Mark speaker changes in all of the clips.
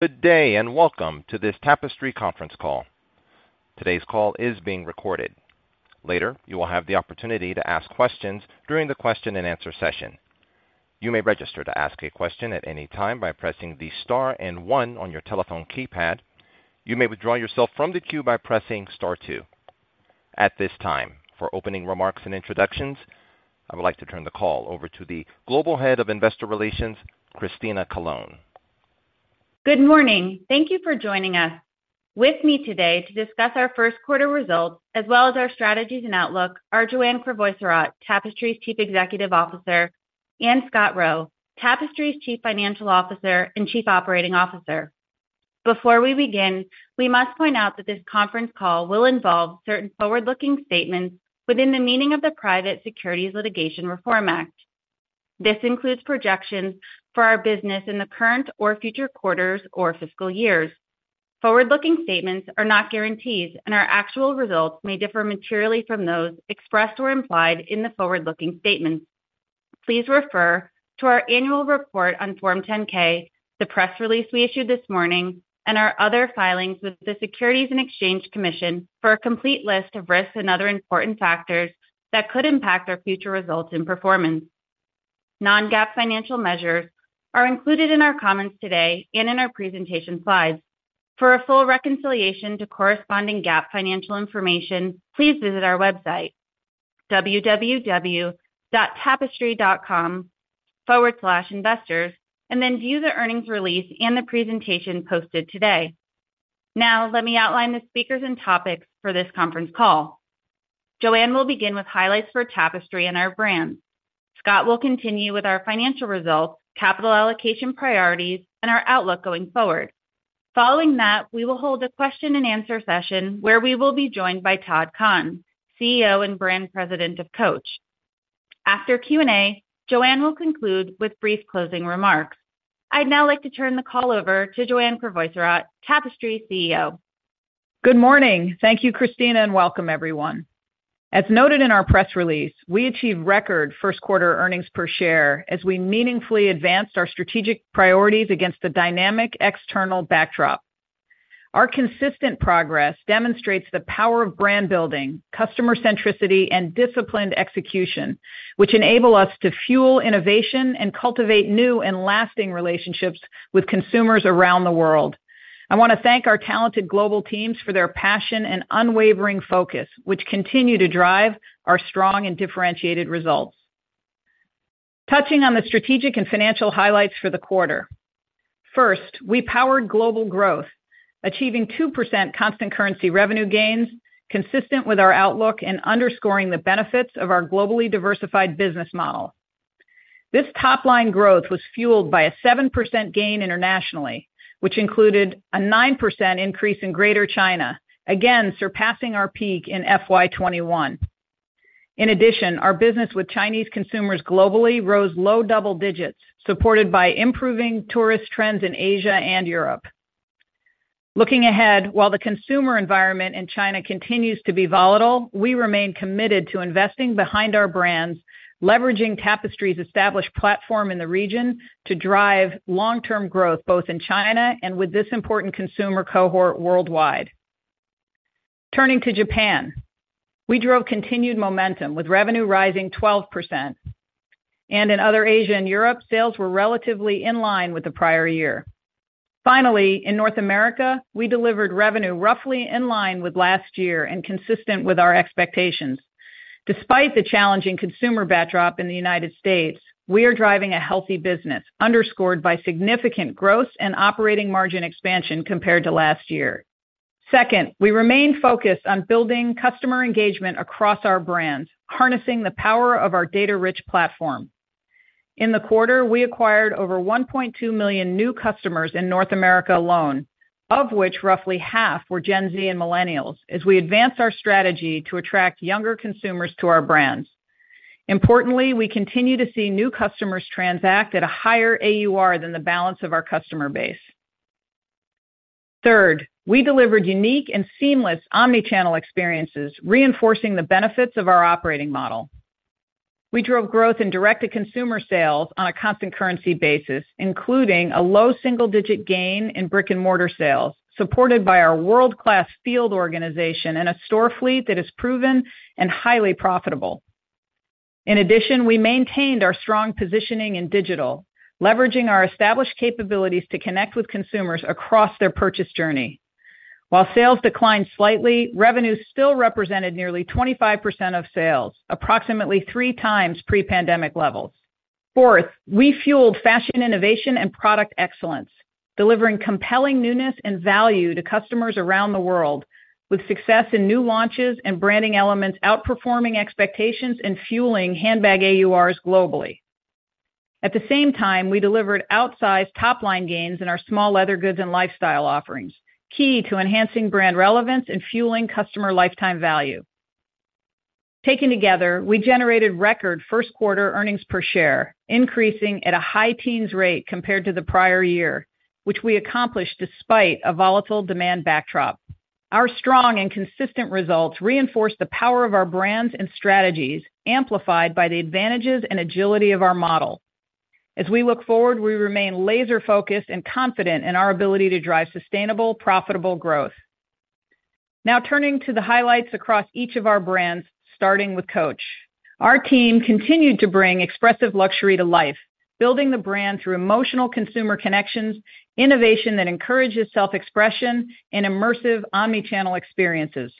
Speaker 1: Good day, and welcome to this Tapestry conference call. Today's call is being recorded. Later, you will have the opportunity to ask questions during the question-and-answer session. You may register to ask a question at any time by pressing the star and one on your telephone keypad. You may withdraw yourself from the queue by pressing star two. At this time, for opening remarks and introductions, I would like to turn the call over to the Global Head of Investor Relations, Christina Colone.
Speaker 2: Good morning. Thank you for joining us. With me today to discuss our first quarter results, as well as our strategies and outlook, are Joanne Crevoiserat, Tapestry's Chief Executive Officer, and Scott Roe, Tapestry's Chief Financial Officer and Chief Operating Officer. Before we begin, we must point out that this conference call will involve certain forward-looking statements within the meaning of the Private Securities Litigation Reform Act. This includes projections for our business in the current or future quarters or fiscal years. Forward-looking statements are not guarantees, and our actual results may differ materially from those expressed or implied in the forward-looking statements. Please refer to our annual report on Form 10-K, the press release we issued this morning, and our other filings with the Securities and Exchange Commission for a complete list of risks and other important factors that could impact our future results and performance. Non-GAAP financial measures are included in our comments today and in our presentation slides. For a full reconciliation to corresponding GAAP financial information, please visit our website, www.tapestry.com/investors, and then view the earnings release and the presentation posted today. Now, let me outline the speakers and topics for this conference call. Joanne will begin with highlights for Tapestry and our brands. Scott will continue with our financial results, capital allocation priorities, and our outlook going forward. Following that, we will hold a question-and-answer session, where we will be joined by Todd Kahn, CEO and Brand President of Coach. After Q&A, Joanne will conclude with brief closing remarks. I'd now like to turn the call over to Joanne Crevoiserat, Tapestry's CEO.
Speaker 3: Good morning. Thank you, Christina, and welcome, everyone. As noted in our press release, we achieved record first quarter earnings per share as we meaningfully advanced our strategic priorities against the dynamic external backdrop. Our consistent progress demonstrates the power of brand building, customer centricity, and disciplined execution, which enable us to fuel innovation and cultivate new and lasting relationships with consumers around the world. I want to thank our talented global teams for their passion and unwavering focus, which continue to drive our strong and differentiated results. Touching on the strategic and financial highlights for the quarter. First, we powered global growth, achieving 2% constant currency revenue gains, consistent with our outlook and underscoring the benefits of our globally diversified business model. This top-line growth was fueled by a 7% gain internationally, which included a 9% increase in Greater China, again, surpassing our peak in FY 2021. In addition, our business with Chinese consumers globally rose low double digits, supported by improving tourist trends in Asia and Europe. Looking ahead, while the consumer environment in China continues to be volatile, we remain committed to investing behind our brands, leveraging Tapestry's established platform in the region to drive long-term growth, both in China and with this important consumer cohort worldwide. Turning to Japan, we drove continued momentum, with revenue rising 12%, and in other Asia and Europe, sales were relatively in line with the prior year. Finally, in North America, we delivered revenue roughly in line with last year and consistent with our expectations. Despite the challenging consumer backdrop in the United States, we are driving a healthy business, underscored by significant gross and operating margin expansion compared to last year. Second, we remain focused on building customer engagement across our brands, harnessing the power of our data-rich platform. In the quarter, we acquired over 1.2 million new customers in North America alone, of which roughly half were Gen Z and Millennials, as we advance our strategy to attract younger consumers to our brands. Importantly, we continue to see new customers transact at a higher AUR than the balance of our customer base. Third, we delivered unique and seamless omni-channel experiences, reinforcing the benefits of our operating model. We drove growth in direct-to-consumer sales on a constant currency basis, including a low single-digit gain in brick-and-mortar sales, supported by our world-class field organization and a store fleet that is proven and highly profitable. In addition, we maintained our strong positioning in digital, leveraging our established capabilities to connect with consumers across their purchase journey. While sales declined slightly, revenues still represented nearly 25% of sales, approximately 3 times pre-pandemic levels. Fourth, we fueled fashion, innovation, and product excellence, delivering compelling newness and value to customers around the world, with success in new launches and branding elements, outperforming expectations and fueling handbag AURs globally. At the same time, we delivered outsized top-line gains in our small leather goods and lifestyle offerings, key to enhancing brand relevance and fueling customer lifetime value. Taken together, we generated record first quarter earnings per share, increasing at a high teens rate compared to the prior year, which we accomplished despite a volatile demand backdrop. Our strong and consistent results reinforce the power of our brands and strategies, amplified by the advantages and agility of our model. As we look forward, we remain laser focused and confident in our ability to drive sustainable, profitable growth. Now, turning to the highlights across each of our brands, starting with Coach. Our team continued to bring expressive luxury to life, building the brand through emotional consumer connections, innovation that encourages self-expression, and immersive omnichannel experiences.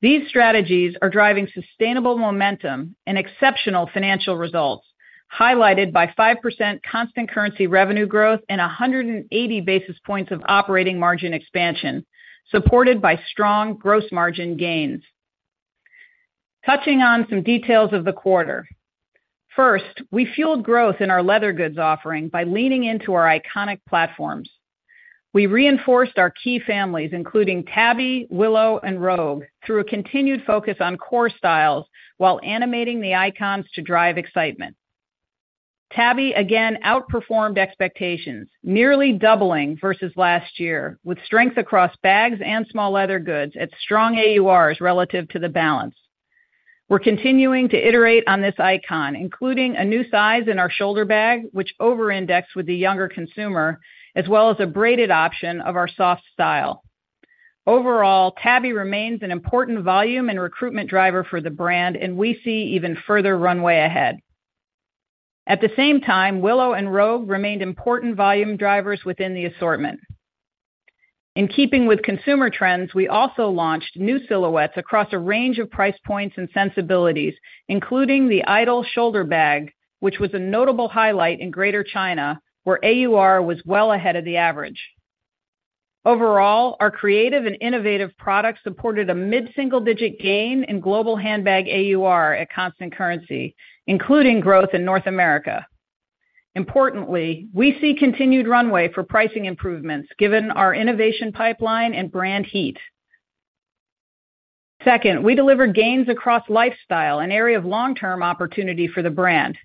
Speaker 3: These strategies are driving sustainable momentum and exceptional financial results, highlighted by 5% constant currency revenue growth and 100 basis points of operating margin expansion, supported by strong gross margin gains. Touching on some details of the quarter. First, we fueled growth in our leather goods offering by leaning into our iconic platforms. We reinforced our key families, including Tabby, Willow, and Rogue, through a continued focus on core styles while animating the icons to drive excitement. Tabby again outperformed expectations, nearly doubling versus last year, with strength across bags and small leather goods at strong AURs relative to the balance. We're continuing to iterate on this icon, including a new size in our shoulder bag, which over-indexed with the younger consumer, as well as a braided option of our soft style. Overall, Tabby remains an important volume and recruitment driver for the brand, and we see even further runway ahead. At the same time, Willow and Rogue remained important volume drivers within the assortment. In keeping with consumer trends, we also launched new silhouettes across a range of price points and sensibilities, including the Idol shoulder bag, which was a notable highlight in Greater China, where AUR was well ahead of the average. Overall, our creative and innovative products supported a mid-single-digit gain in global handbag AUR at constant currency, including growth in North America. Importantly, we see continued runway for pricing improvements, given our innovation pipeline and brand heat. Second, we delivered gains across lifestyle, an area of long-term opportunity for the brand.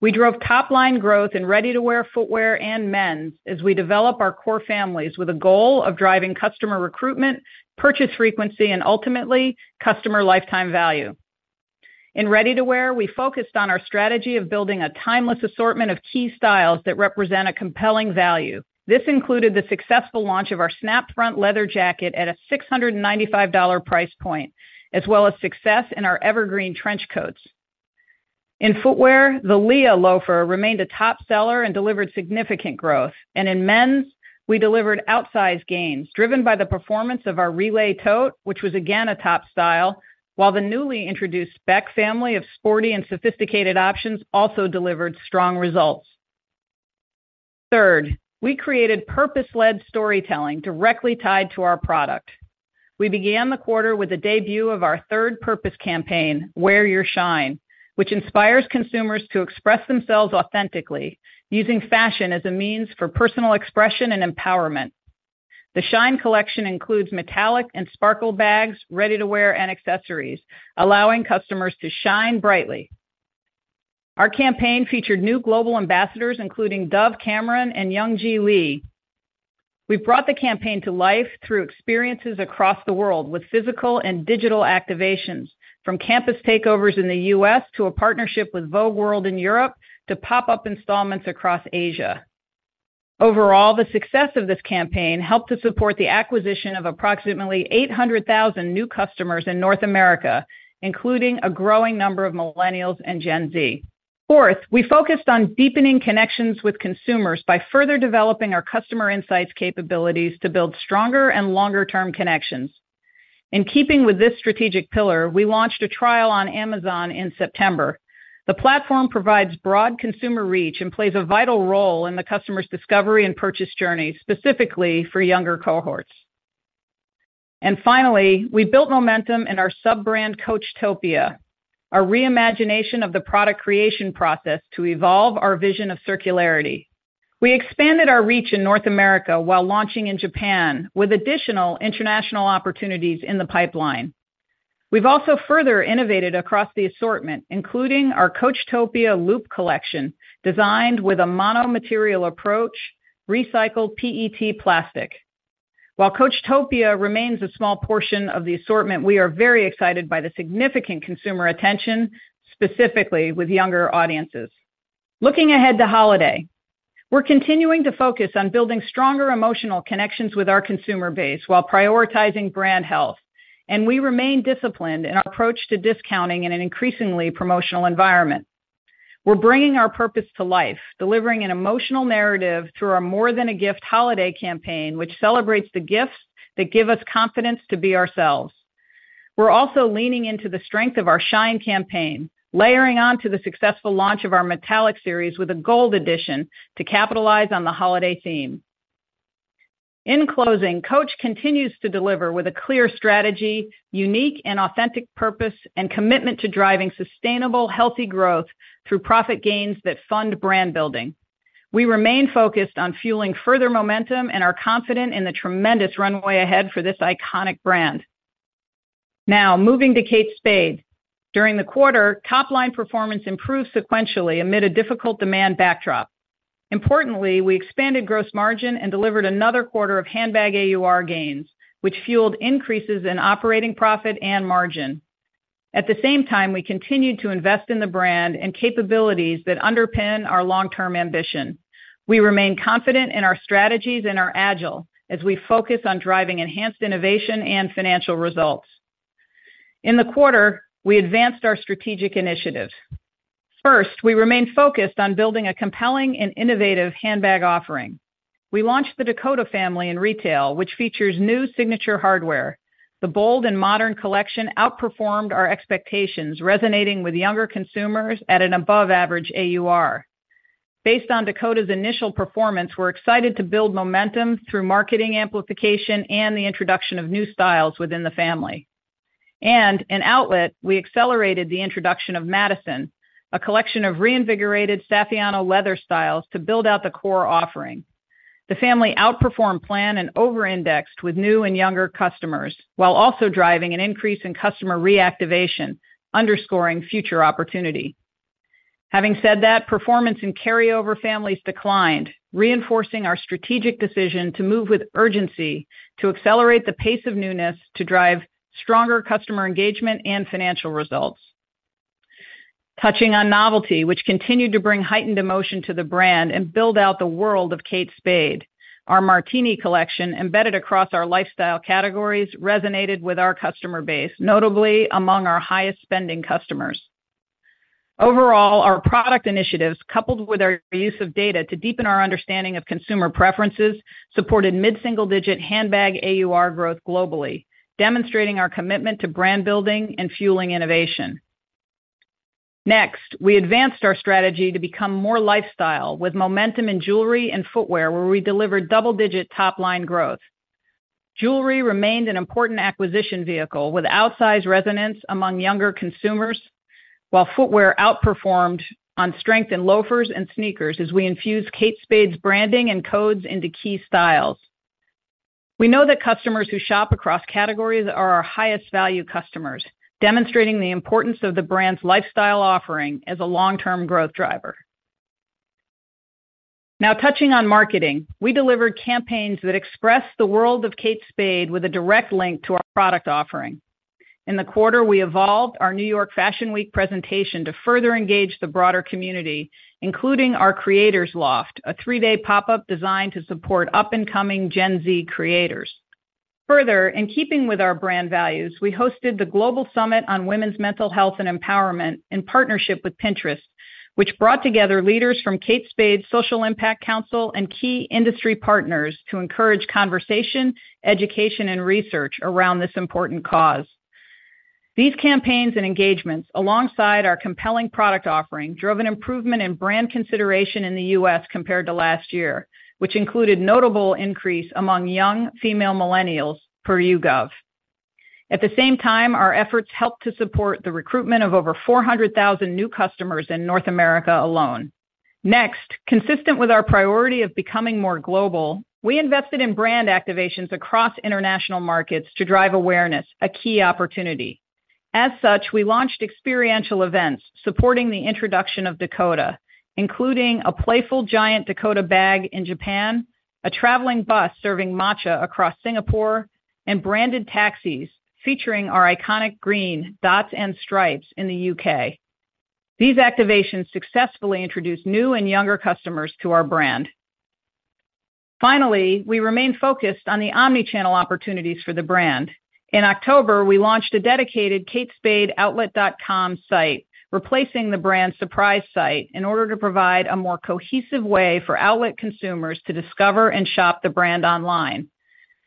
Speaker 3: We drove top-line growth in ready-to-wear footwear and men's as we develop our core families with a goal of driving customer recruitment, purchase frequency, and ultimately, customer lifetime value. In ready-to-wear, we focused on our strategy of building a timeless assortment of key styles that represent a compelling value. This included the successful launch of our snap-front leather jacket at a $695 price point, as well as success in our evergreen trench coats. In footwear, the Leah loafer remained a top seller and delivered significant growth, and in men's, we delivered outsized gains, driven by the performance of our Relay Tote, which was again a top style, while the newly introduced Spec family of sporty and sophisticated options also delivered strong results. Third, we created purpose-led storytelling directly tied to our product. We began the quarter with a debut of our third purpose campaign, Wear Your Shine, which inspires consumers to express themselves authentically, using fashion as a means for personal expression and empowerment. The Shine collection includes metallic and sparkle bags, ready-to-wear, and accessories, allowing customers to shine brightly. Our campaign featured new global ambassadors, including Dove Cameron and Young Ji Lee. We've brought the campaign to life through experiences across the world with physical and digital activations, from campus takeovers in the U.S. to a partnership with Vogue World in Europe, to pop-up installments across Asia. Overall, the success of this campaign helped to support the acquisition of approximately 800,000 new customers in North America, including a growing number of millennials and Gen Z. Fourth, we focused on deepening connections with consumers by further developing our customer insights capabilities to build stronger and longer-term connections. In keeping with this strategic pillar, we launched a trial on Amazon in September. The platform provides broad consumer reach and plays a vital role in the customer's discovery and purchase journey, specifically for younger cohorts. Finally, we built momentum in our sub-brand, Coachtopia, our reimagination of the product creation process to evolve our vision of circularity. We expanded our reach in North America while launching in Japan, with additional international opportunities in the pipeline. We've also further innovated across the assortment, including our Coachtopia Loop collection, designed with a mono material approach, recycled PET plastic. While Coachtopia remains a small portion of the assortment, we are very excited by the significant consumer attention, specifically with younger audiences. Looking ahead to holiday, we're continuing to focus on building stronger emotional connections with our consumer base while prioritizing brand health, and we remain disciplined in our approach to discounting in an increasingly promotional environment. We're bringing our purpose to life, delivering an emotional narrative through our More Than a Gift holiday campaign, which celebrates the gifts that give us confidence to be ourselves. We're also leaning into the strength of our Shine campaign, layering on to the successful launch of our metallic series with a gold edition to capitalize on the holiday theme. In closing, Coach continues to deliver with a clear strategy, unique and authentic purpose, and commitment to driving sustainable, healthy growth through profit gains that fund brand building. We remain focused on fueling further momentum and are confident in the tremendous runway ahead for this iconic brand... Now, moving to Kate Spade. During the quarter, top-line performance improved sequentially amid a difficult demand backdrop. Importantly, we expanded gross margin and delivered another quarter of handbag AUR gains, which fueled increases in operating profit and margin. At the same time, we continued to invest in the brand and capabilities that underpin our long-term ambition. We remain confident in our strategies and are agile as we focus on driving enhanced innovation and financial results. In the quarter, we advanced our strategic initiatives. First, we remained focused on building a compelling and innovative handbag offering. We launched the Dakota family in retail, which features new signature hardware. The bold and modern collection outperformed our expectations, resonating with younger consumers at an above-average AUR. Based on Dakota's initial performance, we're excited to build momentum through marketing amplification and the introduction of new styles within the family. In outlet, we accelerated the introduction of Madison, a collection of reinvigorated Saffiano leather styles to build out the core offering. The family outperformed plan and over-indexed with new and younger customers, while also driving an increase in customer reactivation, underscoring future opportunity. Having said that, performance in carryover families declined, reinforcing our strategic decision to move with urgency to accelerate the pace of newness, to drive stronger customer engagement and financial results. Touching on novelty, which continued to bring heightened emotion to the brand and build out the world of Kate Spade, our Martini collection, embedded across our lifestyle categories, resonated with our customer base, notably among our highest-spending customers. Overall, our product initiatives, coupled with our use of data to deepen our understanding of consumer preferences, supported mid-single-digit handbag AUR growth globally, demonstrating our commitment to brand building and fueling innovation. Next, we advanced our strategy to become more lifestyle with momentum in jewelry and footwear, where we delivered double-digit top-line growth. Jewelry remained an important acquisition vehicle, with outsized resonance among younger consumers, while footwear outperformed on strength in loafers and sneakers as we infused Kate Spade's branding and codes into key styles. We know that customers who shop across categories are our highest-value customers, demonstrating the importance of the brand's lifestyle offering as a long-term growth driver. Now, touching on marketing, we delivered campaigns that expressed the world of Kate Spade with a direct link to our product offering. In the quarter, we evolved our New York Fashion Week presentation to further engage the broader community, including our Creators Loft, a three-day pop-up designed to support up-and-coming Gen Z creators. Further, in keeping with our brand values, we hosted the Global Summit on Women's Mental Health and Empowerment in partnership with Pinterest, which brought together leaders from Kate Spade's Social Impact Council and key industry partners to encourage conversation, education, and research around this important cause. These campaigns and engagements, alongside our compelling product offering, drove an improvement in brand consideration in the U.S. compared to last year, which included notable increase among young female millennials per YouGov. At the same time, our efforts helped to support the recruitment of over 400,000 new customers in North America alone. Next, consistent with our priority of becoming more global, we invested in brand activations across international markets to drive awareness, a key opportunity. As such, we launched experiential events supporting the introduction of Dakota, including a playful giant Dakota bag in Japan, a traveling bus serving matcha across Singapore, and branded taxis featuring our iconic green dots and stripes in the U.K. These activations successfully introduced new and younger customers to our brand. Finally, we remained focused on the omnichannel opportunities for the brand. In October, we launched a dedicated katespadeoutlet.com site, replacing the brand's surprise site, in order to provide a more cohesive way for outlet consumers to discover and shop the brand online.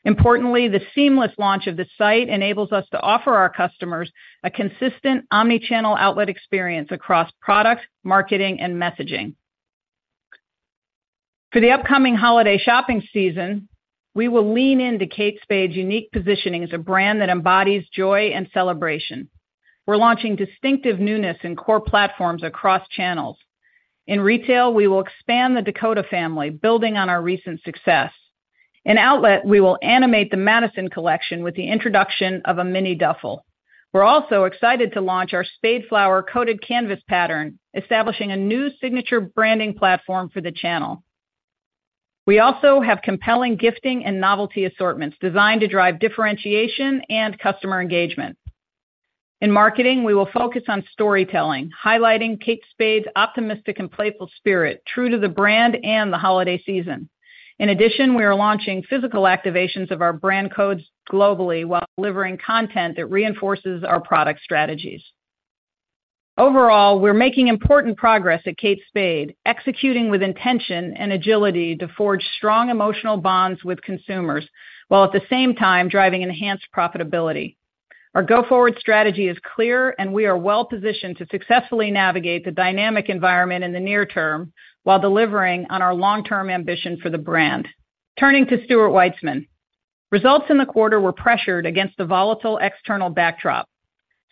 Speaker 3: Importantly, the seamless launch of the site enables us to offer our customers a consistent omnichannel outlet experience across product, marketing, and messaging. For the upcoming holiday shopping season, we will lean into Kate Spade's unique positioning as a brand that embodies joy and celebration. We're launching distinctive newness in core platforms across channels. In retail, we will expand the Dakota family, building on our recent success. In outlet, we will animate the Madison collection with the introduction of a mini duffel. We're also excited to launch our Spade flower coated canvas pattern, establishing a new signature branding platform for the channel. We also have compelling gifting and novelty assortments designed to drive differentiation and customer engagement. In marketing, we will focus on storytelling, highlighting Kate Spade's optimistic and playful spirit, true to the brand and the holiday season. In addition, we are launching physical activations of our brand codes globally while delivering content that reinforces our product strategies. Overall, we're making important progress at Kate Spade, executing with intention and agility to forge strong emotional bonds with consumers, while at the same time driving enhanced profitability. Our go-forward strategy is clear, and we are well-positioned to successfully navigate the dynamic environment in the near term while delivering on our long-term ambition for the brand. Turning to Stuart Weitzman. Results in the quarter were pressured against the volatile external backdrop.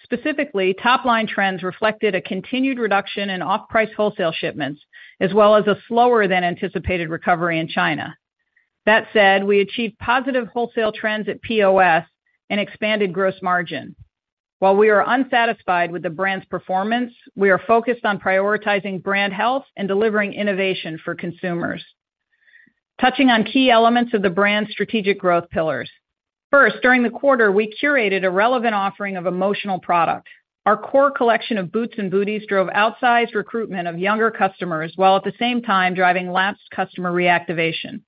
Speaker 3: Specifically, top-line trends reflected a continued reduction in off-price wholesale shipments, as well as a slower than anticipated recovery in China. That said, we achieved positive wholesale trends at POS and expanded gross margin. While we are unsatisfied with the brand's performance, we are focused on prioritizing brand health and delivering innovation for consumers. Touching on key elements of the brand's strategic growth pillars. First, during the quarter, we curated a relevant offering of emotional product. Our core collection of boots and booties drove outsized recruitment of younger customers, while at the same time driving lapsed customer reactivation.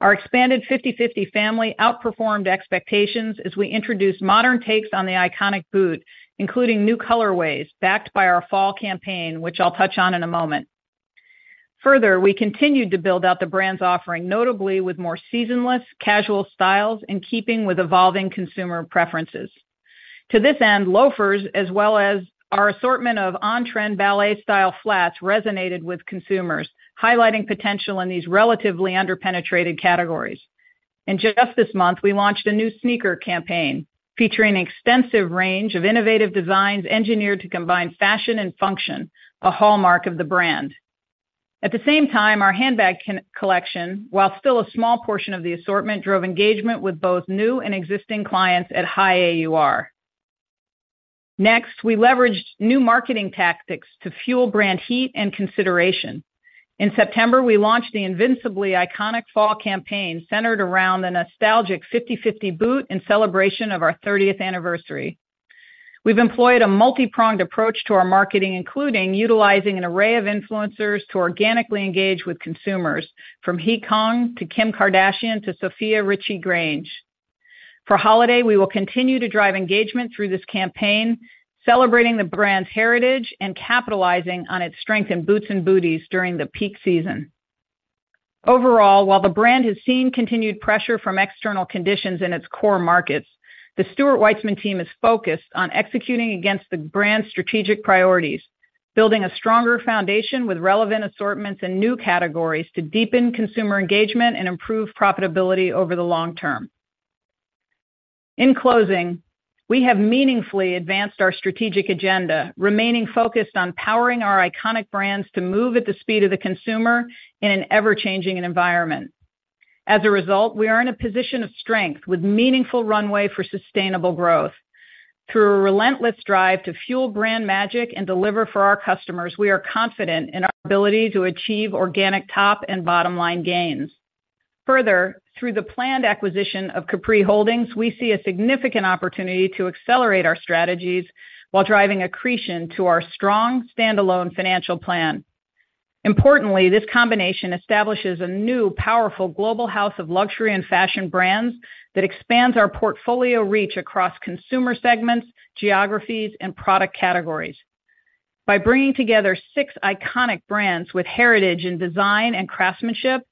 Speaker 3: Our expanded Fifty/Fifty family outperformed expectations as we introduced modern takes on the iconic boot, including new colorways, backed by our fall campaign, which I'll touch on in a moment. Further, we continued to build out the brand's offering, notably with more seasonless, casual styles, in keeping with evolving consumer preferences. To this end, loafers, as well as our assortment of on-trend ballet style flats, resonated with consumers, highlighting potential in these relatively under-penetrated categories. Just this month, we launched a new sneaker campaign featuring an extensive range of innovative designs engineered to combine fashion and function, a hallmark of the brand. At the same time, our handbag collection, while still a small portion of the assortment, drove engagement with both new and existing clients at high AUR. Next, we leveraged new marketing tactics to fuel brand heat and consideration. In September, we launched the Invincibly Iconic fall campaign, centered around the nostalgic 5050 boot in celebration of our 30th anniversary. We've employed a multi-pronged approach to our marketing, including utilizing an array of influencers to organically engage with consumers, from He Cong to Kim Kardashian to Sofia Richie Grainge. For holiday, we will continue to drive engagement through this campaign, celebrating the brand's heritage and capitalizing on its strength in boots and booties during the peak season. Overall, while the brand has seen continued pressure from external conditions in its core markets, the Stuart Weitzman team is focused on executing against the brand's strategic priorities, building a stronger foundation with relevant assortments and new categories to deepen consumer engagement and improve profitability over the long term. In closing, we have meaningfully advanced our strategic agenda, remaining focused on powering our iconic brands to move at the speed of the consumer in an ever-changing environment. As a result, we are in a position of strength with meaningful runway for sustainable growth. Through a relentless drive to fuel brand magic and deliver for our customers, we are confident in our ability to achieve organic top and bottom line gains. Further, through the planned acquisition of Capri Holdings, we see a significant opportunity to accelerate our strategies while driving accretion to our strong standalone financial plan. Importantly, this combination establishes a new, powerful global house of luxury and fashion brands that expands our portfolio reach across consumer segments, geographies, and product categories. By bringing together six iconic brands with heritage in design and craftsmanship,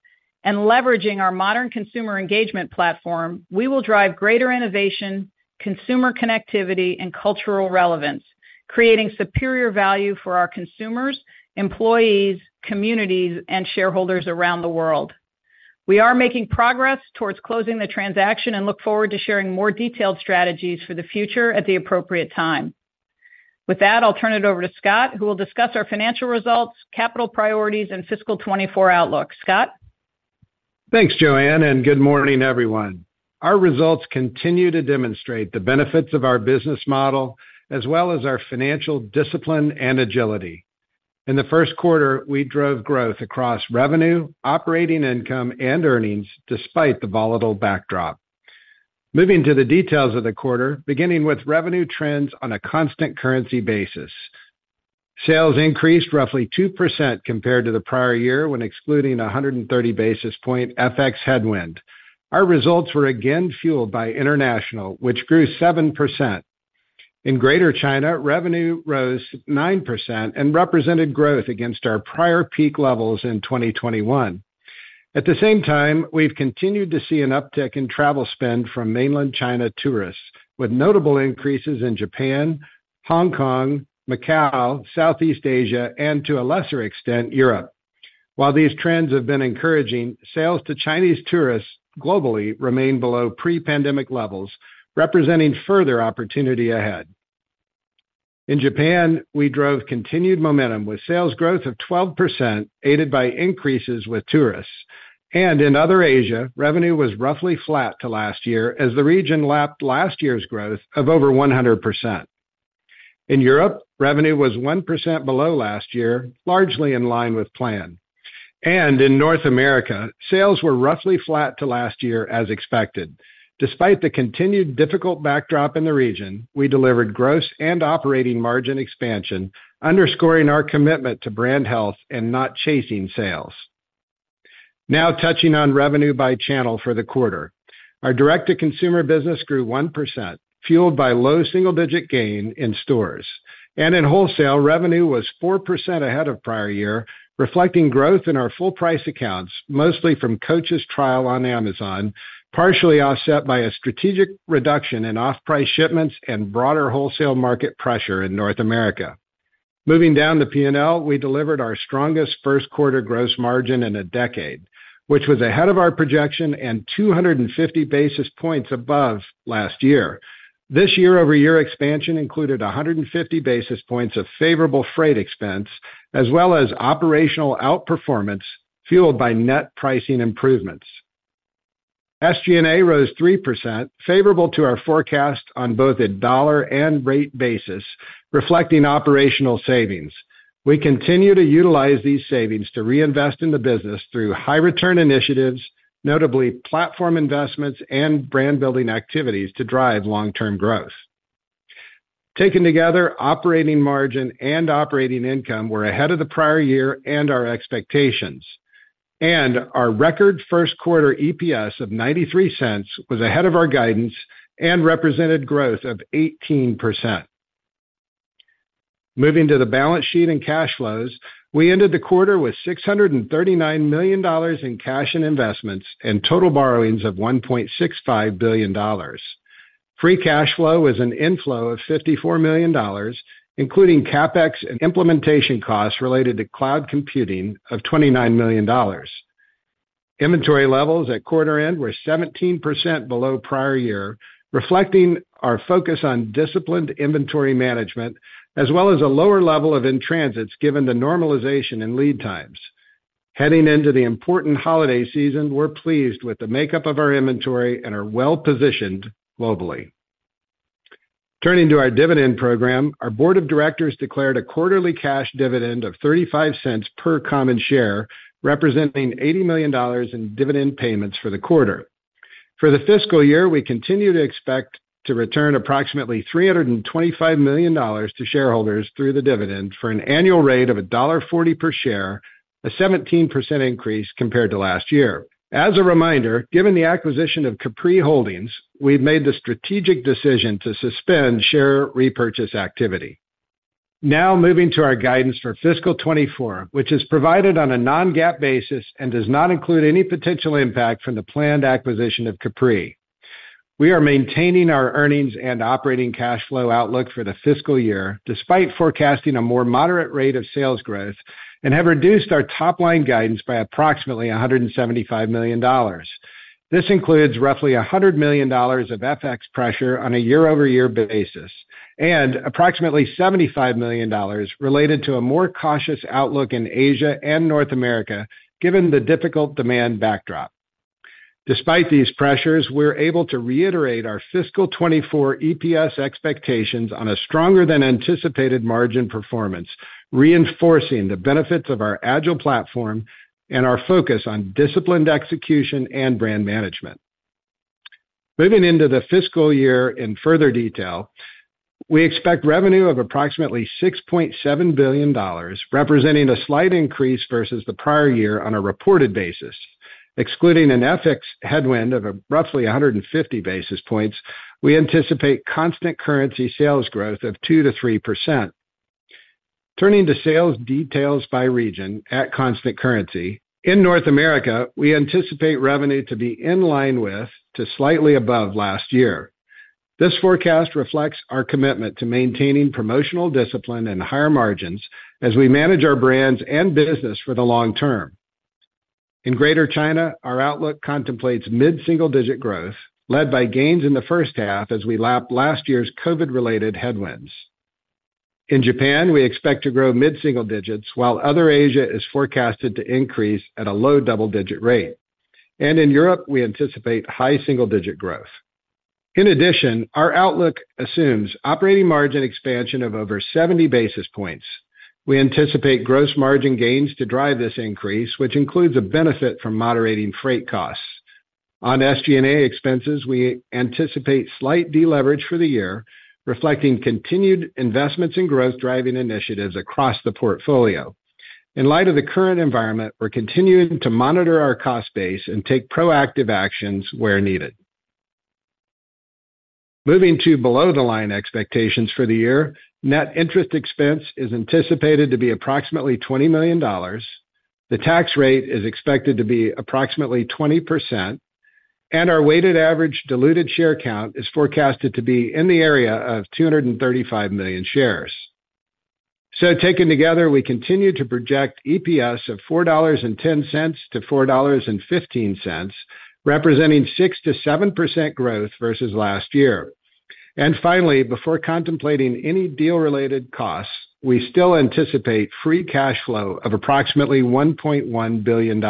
Speaker 3: and leveraging our modern consumer engagement platform, we will drive greater innovation, consumer connectivity, and cultural relevance, creating superior value for our consumers, employees, communities, and shareholders around the world. We are making progress towards closing the transaction and look forward to sharing more detailed strategies for the future at the appropriate time. With that, I'll turn it over to Scott, who will discuss our financial results, capital priorities, and fiscal 2024 outlook. Scott?
Speaker 4: Thanks, Joanne, and good morning, everyone. Our results continue to demonstrate the benefits of our business model, as well as our financial discipline and agility. In the first quarter, we drove growth across revenue, operating income, and earnings despite the volatile backdrop. Moving to the details of the quarter, beginning with revenue trends on a constant currency basis. Sales increased roughly 2% compared to the prior year when excluding a 130 basis point FX headwind. Our results were again fueled by international, which grew 7%. In Greater China, revenue rose 9% and represented growth against our prior peak levels in 2021. At the same time, we've continued to see an uptick in travel spend from mainland China tourists, with notable increases in Japan, Hong Kong, Macau, Southeast Asia, and to a lesser extent, Europe. While these trends have been encouraging, sales to Chinese tourists globally remain below pre-pandemic levels, representing further opportunity ahead. In Japan, we drove continued momentum, with sales growth of 12%, aided by increases with tourists. In other Asia, revenue was roughly flat to last year as the region lapped last year's growth of over 100%. In Europe, revenue was 1% below last year, largely in line with plan. In North America, sales were roughly flat to last year as expected. Despite the continued difficult backdrop in the region, we delivered gross and operating margin expansion, underscoring our commitment to brand health and not chasing sales. Now touching on revenue by channel for the quarter. Our direct-to-consumer business grew 1%, fueled by low single-digit gain in stores. In wholesale, revenue was 4% ahead of prior year, reflecting growth in our full price accounts, mostly from Coach's trial on Amazon, partially offset by a strategic reduction in off-price shipments and broader wholesale market pressure in North America. Moving down the P&L, we delivered our strongest first quarter gross margin in a decade, which was ahead of our projection and 250 basis points above last year. This year-over-year expansion included 150 basis points of favorable freight expense, as well as operational outperformance, fueled by net pricing improvements. SG&A rose 3%, favorable to our forecast on both a dollar and rate basis, reflecting operational savings. We continue to utilize these savings to reinvest in the business through high return initiatives, notably platform investments and brand-building activities to drive long-term growth. Taken together, operating margin and operating income were ahead of the prior year and our expectations. Our record first quarter EPS of $0.93 was ahead of our guidance and represented growth of 18%. Moving to the balance sheet and cash flows, we ended the quarter with $639 million in cash and investments, and total borrowings of $1.65 billion. Free cash flow was an inflow of $54 million, including CapEx and implementation costs related to cloud computing of $29 million. Inventory levels at quarter end were 17% below prior year, reflecting our focus on disciplined inventory management, as well as a lower level of in-transits, given the normalization in lead times. Heading into the important holiday season, we're pleased with the makeup of our inventory and are well-positioned globally. Turning to our dividend program, our board of directors declared a quarterly cash dividend of $0.35 per common share, representing $80 million in dividend payments for the quarter. For the fiscal year, we continue to expect to return approximately $325 million to shareholders through the dividend for an annual rate of $1.40 per share, a 17% increase compared to last year. As a reminder, given the acquisition of Capri Holdings, we've made the strategic decision to suspend share repurchase activity. Now, moving to our guidance for fiscal 2024, which is provided on a non-GAAP basis and does not include any potential impact from the planned acquisition of Capri. We are maintaining our earnings and operating cash flow outlook for the fiscal year, despite forecasting a more moderate rate of sales growth, and have reduced our top-line guidance by approximately $175 million. This includes roughly $100 million of FX pressure on a year-over-year basis, and approximately $75 million related to a more cautious outlook in Asia and North America, given the difficult demand backdrop. Despite these pressures, we're able to reiterate our fiscal 2024 EPS expectations on a stronger-than-anticipated margin performance, reinforcing the benefits of our agile platform and our focus on disciplined execution and brand management. Moving into the fiscal year in further detail, we expect revenue of approximately $6.7 billion, representing a slight increase versus the prior year on a reported basis. Excluding an FX headwind of roughly 150 basis points, we anticipate constant currency sales growth of 2%-3%. Turning to sales details by region at constant currency, in North America, we anticipate revenue to be in line with to slightly above last year. This forecast reflects our commitment to maintaining promotional discipline and higher margins as we manage our brands and business for the long term. In Greater China, our outlook contemplates mid-single-digit growth, led by gains in the first half as we lap last year's COVID-related headwinds. In Japan, we expect to grow mid-single digits, while other Asia is forecasted to increase at a low double-digit rate. In Europe, we anticipate high single-digit growth. In addition, our outlook assumes operating margin expansion of over 70 basis points. We anticipate gross margin gains to drive this increase, which includes a benefit from moderating freight costs. On SG&A expenses, we anticipate slight deleverage for the year, reflecting continued investments in growth-driving initiatives across the portfolio. In light of the current environment, we're continuing to monitor our cost base and take proactive actions where needed. Moving to below-the-line expectations for the year, net interest expense is anticipated to be approximately $20 million. The tax rate is expected to be approximately 20%, and our weighted average diluted share count is forecasted to be in the area of 235 million shares. So taken together, we continue to project EPS of $4.10-$4.15, representing 6%-7% growth versus last year. Finally, before contemplating any deal-related costs, we still anticipate free cash flow of approximately $1.1 billion.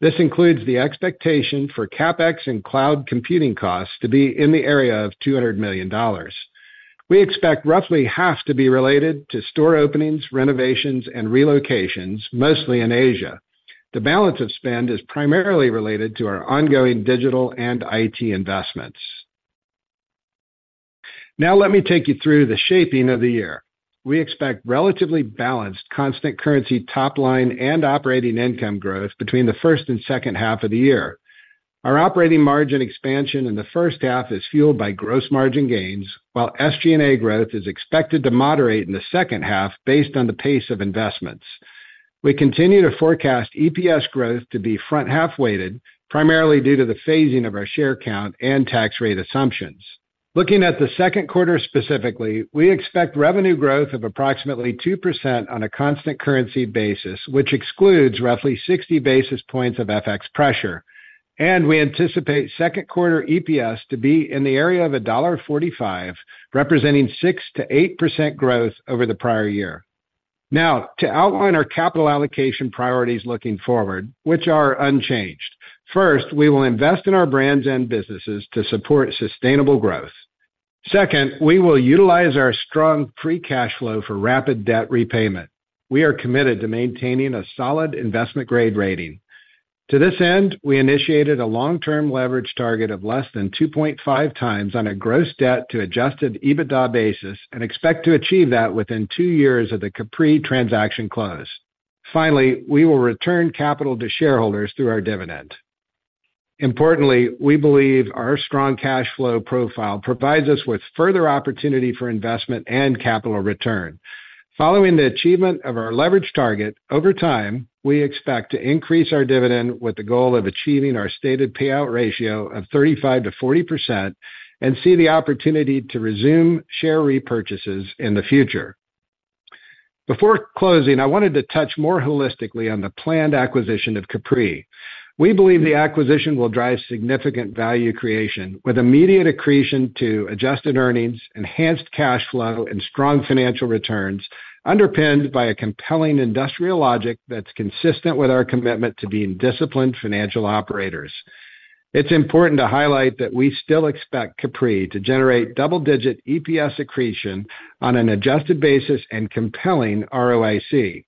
Speaker 4: This includes the expectation for CapEx and cloud computing costs to be in the area of $200 million. We expect roughly half to be related to store openings, renovations, and relocations, mostly in Asia. The balance of spend is primarily related to our ongoing digital and IT investments. Now let me take you through the shaping of the year. We expect relatively balanced constant currency, top line, and operating income growth between the first and second half of the year. Our operating margin expansion in the first half is fueled by gross margin gains, while SG&A growth is expected to moderate in the second half based on the pace of investments. We continue to forecast EPS growth to be front-half weighted, primarily due to the phasing of our share count and tax rate assumptions. Looking at the second quarter specifically, we expect revenue growth of approximately 2% on a constant currency basis, which excludes roughly 60 basis points of FX pressure, and we anticipate second quarter EPS to be in the area of $1.45, representing 6%-8% growth over the prior year. Now, to outline our capital allocation priorities looking forward, which are unchanged. First, we will invest in our brands and businesses to support sustainable growth. Second, we will utilize our strong free cash flow for rapid debt repayment. We are committed to maintaining a solid investment-grade rating. To this end, we initiated a long-term leverage target of less than 2.5x on a gross debt to adjusted EBITDA basis and expect to achieve that within 2 years of the Capri transaction close. Finally, we will return capital to shareholders through our dividend. Importantly, we believe our strong cash flow profile provides us with further opportunity for investment and capital return. Following the achievement of our leverage target, over time, we expect to increase our dividend with the goal of achieving our stated payout ratio of 35%-40% and see the opportunity to resume share repurchases in the future. Before closing, I wanted to touch more holistically on the planned acquisition of Capri. We believe the acquisition will drive significant value creation, with immediate accretion to adjusted earnings, enhanced cash flow, and strong financial returns, underpinned by a compelling industrial logic that's consistent with our commitment to being disciplined financial operators. It's important to highlight that we still expect Capri to generate double-digit EPS accretion on an adjusted basis and compelling ROIC.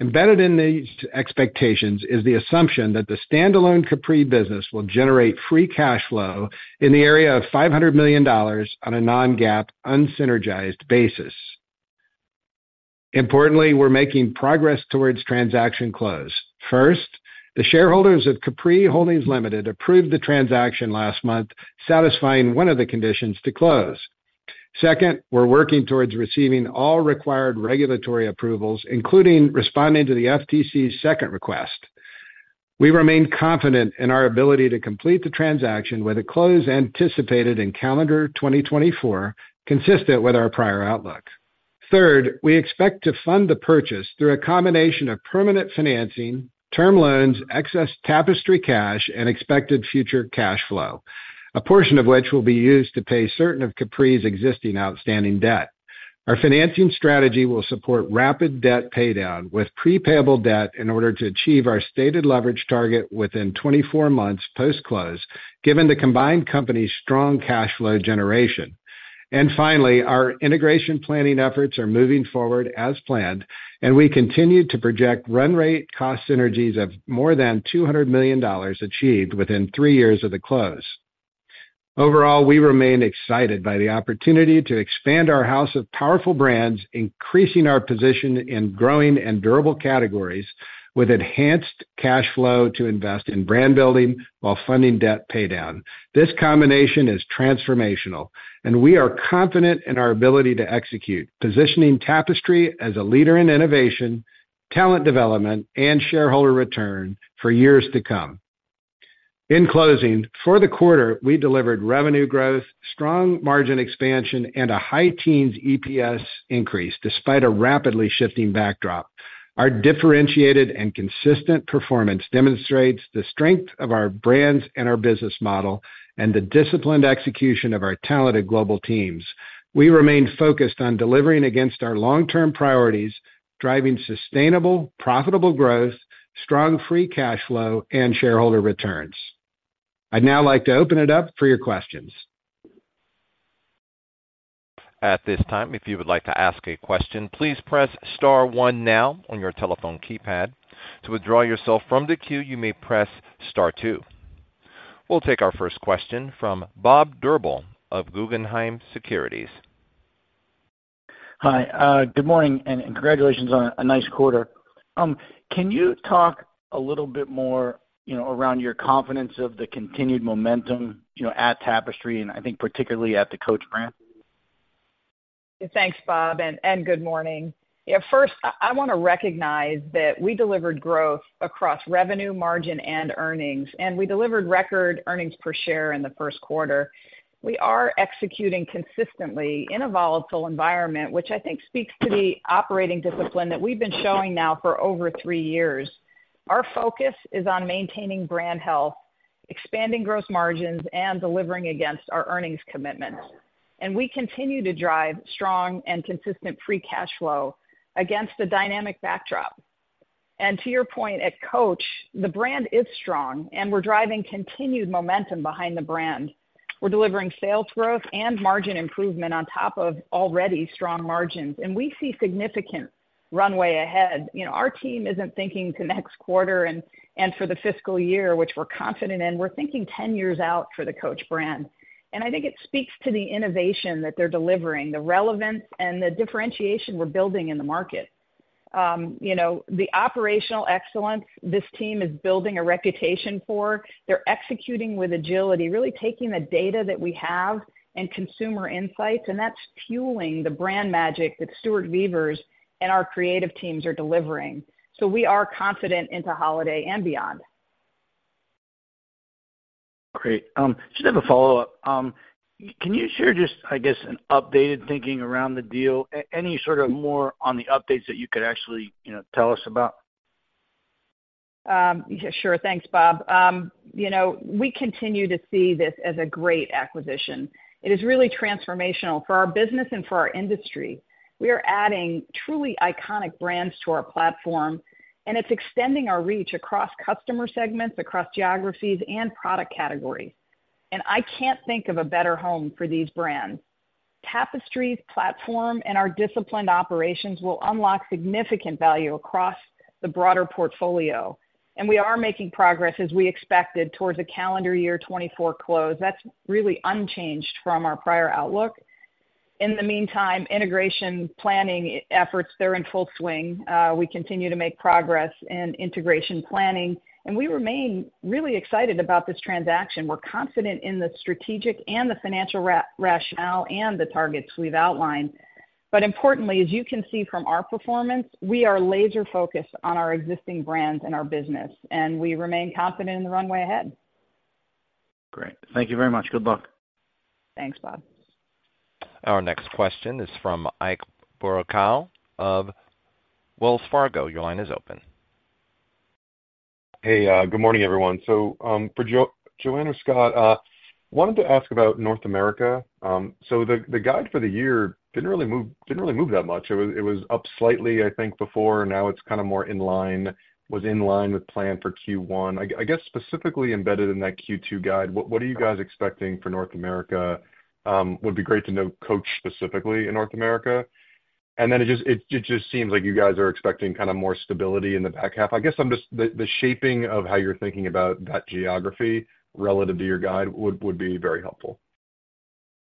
Speaker 4: Embedded in these expectations is the assumption that the standalone Capri business will generate free cash flow in the area of $500 million on a non-GAAP, unsynergized basis. Importantly, we're making progress towards transaction close. First, the shareholders of Capri Holdings Limited approved the transaction last month, satisfying one of the conditions to close. Second, we're working towards receiving all required regulatory approvals, including responding to the FTC's second request. We remain confident in our ability to complete the transaction with a close anticipated in calendar 2024, consistent with our prior outlook. Third, we expect to fund the purchase through a combination of permanent financing, term loans, excess Tapestry cash, and expected future cash flow, a portion of which will be used to pay certain of Capri's existing outstanding debt. Our financing strategy will support rapid debt paydown, with prepayable debt in order to achieve our stated leverage target within 24 months post-close, given the combined company's strong cash flow generation. And finally, our integration planning efforts are moving forward as planned, and we continue to project run rate cost synergies of more than $200 million achieved within three years of the close. Overall, we remain excited by the opportunity to expand our house of powerful brands, increasing our position in growing and durable categories with enhanced cash flow to invest in brand building while funding debt paydown. This combination is transformational, and we are confident in our ability to execute, positioning Tapestry as a leader in innovation, talent development, and shareholder return for years to come. In closing, for the quarter, we delivered revenue growth, strong margin expansion, and a high-teens EPS increase, despite a rapidly shifting backdrop. Our differentiated and consistent performance demonstrates the strength of our brands and our business model and the disciplined execution of our talented global teams. We remain focused on delivering against our long-term priorities, driving sustainable, profitable growth, strong free cash flow, and shareholder returns. I'd now like to open it up for your questions.
Speaker 1: At this time, if you would like to ask a question, please press star one now on your telephone keypad. To withdraw yourself from the queue, you may press star two. We'll take our first question from Bob Drbul of Guggenheim Securities.
Speaker 5: Hi, good morning, and congratulations on a nice quarter. Can you talk a little bit more, you know, around your confidence of the continued momentum, you know, at Tapestry, and I think particularly at the Coach brand?
Speaker 3: Thanks, Bob, and good morning. Yeah, first, I wanna recognize that we delivered growth across revenue, margin, and earnings, and we delivered record earnings per share in the first quarter. We are executing consistently in a volatile environment, which I think speaks to the operating discipline that we've been showing now for over three years. Our focus is on maintaining brand health, expanding gross margins, and delivering against our earnings commitments. We continue to drive strong and consistent free cash flow against a dynamic backdrop. To your point, at Coach, the brand is strong, and we're driving continued momentum behind the brand. We're delivering sales growth and margin improvement on top of already strong margins, and we see significant runway ahead. You know, our team isn't thinking to next quarter and for the fiscal year, which we're confident in. We're thinking 10 years out for the Coach brand. I think it speaks to the innovation that they're delivering, the relevance and the differentiation we're building in the market. You know, the operational excellence this team is building a reputation for, they're executing with agility, really taking the data that we have and consumer insights, and that's fueling the brand magic that Stuart Vevers and our creative teams are delivering. We are confident into holiday and beyond.
Speaker 5: Great. Just have a follow-up. Can you share just, I guess, an updated thinking around the deal? Any sort of more on the updates that you could actually, you know, tell us about?
Speaker 3: Yeah, sure. Thanks, Bob. You know, we continue to see this as a great acquisition. It is really transformational for our business and for our industry. We are adding truly iconic brands to our platform, and it's extending our reach across customer segments, across geographies and product categories. And I can't think of a better home for these brands. Tapestry's platform and our disciplined operations will unlock significant value across the broader portfolio, and we are making progress as we expected towards a calendar year 2024 close. That's really unchanged from our prior outlook. In the meantime, integration planning efforts, they're in full swing. We continue to make progress in integration planning, and we remain really excited about this transaction. We're confident in the strategic and the financial rationale and the targets we've outlined. Importantly, as you can see from our performance, we are laser focused on our existing brands and our business, and we remain confident in the runway ahead.
Speaker 5: Great. Thank you very much. Good luck.
Speaker 3: Thanks, Bob.
Speaker 1: Our next question is from Ike Boruchow of Wells Fargo. Your line is open.
Speaker 6: Hey, good morning, everyone. So, for Joanne or Scott, wanted to ask about North America. So the guide for the year didn't really move that much. It was up slightly, I think, before, and now it's kind of more in line with plan for Q1. I guess, specifically embedded in that Q2 guide, what are you guys expecting for North America? Would be great to know Coach specifically in North America. And then it just seems like you guys are expecting kind of more stability in the back half. I guess I'm just the shaping of how you're thinking about that geography relative to your guide would be very helpful.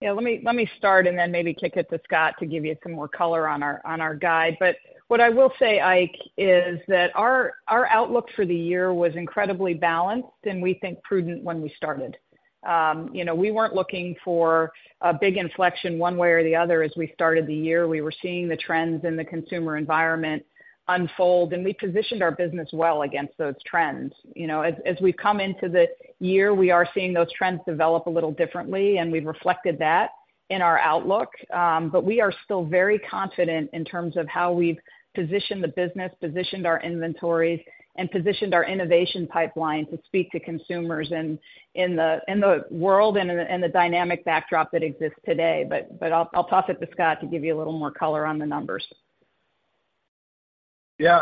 Speaker 3: Yeah, let me, let me start and then maybe kick it to Scott to give you some more color on our, on our guide. But what I will say, Ike, is that our, our outlook for the year was incredibly balanced, and we think prudent when we started. You know, we weren't looking for a big inflection one way or the other as we started the year. We were seeing the trends in the consumer environment unfold, and we positioned our business well against those trends. You know, as, as we've come into the year, we are seeing those trends develop a little differently, and we've reflected that in our outlook. But we are still very confident in terms of how we've positioned the business, positioned our inventories, and positioned our innovation pipeline to speak to consumers in the world and the dynamic backdrop that exists today. But I'll toss it to Scott to give you a little more color on the numbers.
Speaker 4: Yeah,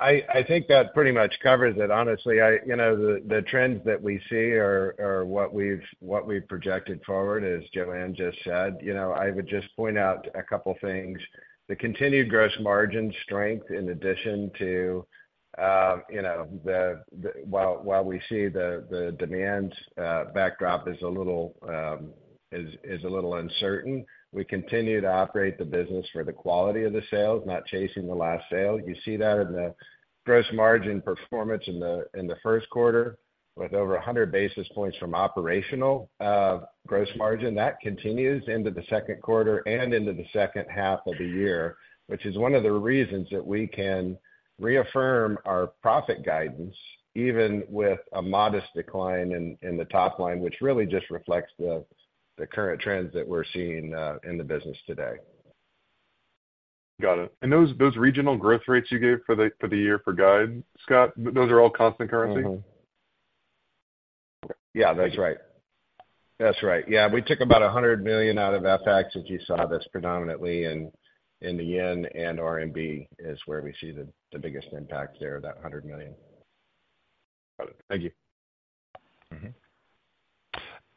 Speaker 4: I think that pretty much covers it. Honestly, I... You know, the trends that we see are what we've projected forward, as Joanne just said. You know, I would just point out a couple things. The continued gross margin strength in addition to, you know, while we see the demand backdrop is a little uncertain, we continue to operate the business for the quality of the sales, not chasing the last sale. You see that in the gross margin performance in the first quarter, with over 100 basis points from operational gross margin. That continues into the second quarter and into the second half of the year, which is one of the reasons that we can reaffirm our profit guidance, even with a modest decline in the top line, which really just reflects the current trends that we're seeing in the business today.
Speaker 6: Got it. And those regional growth rates you gave for the year for guide, Scott, those are all constant currency?
Speaker 4: Mm-hmm. Yeah, that's right. That's right. Yeah, we took about $100 million out of FX, which you saw this predominantly in, in the yen and RMB, is where we see the biggest impact there, that $100 million.
Speaker 6: Got it. Thank you.
Speaker 4: Mm-hmm.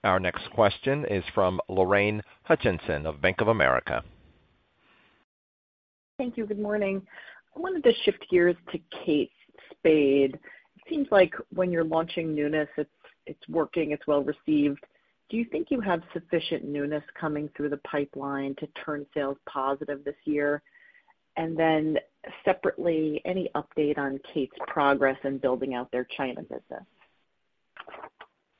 Speaker 1: Our next question is from Lorraine Hutchinson of Bank of America.
Speaker 7: Thank you. Good morning. I wanted to shift gears to Kate Spade. It seems like when you're launching newness, it's working, it's well received. Do you think you have sufficient newness coming through the pipeline to turn sales positive this year? And then separately, any update on Kate's progress in building out their China business?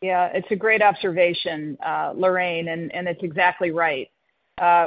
Speaker 3: Yeah, it's a great observation, Lorraine, and it's exactly right.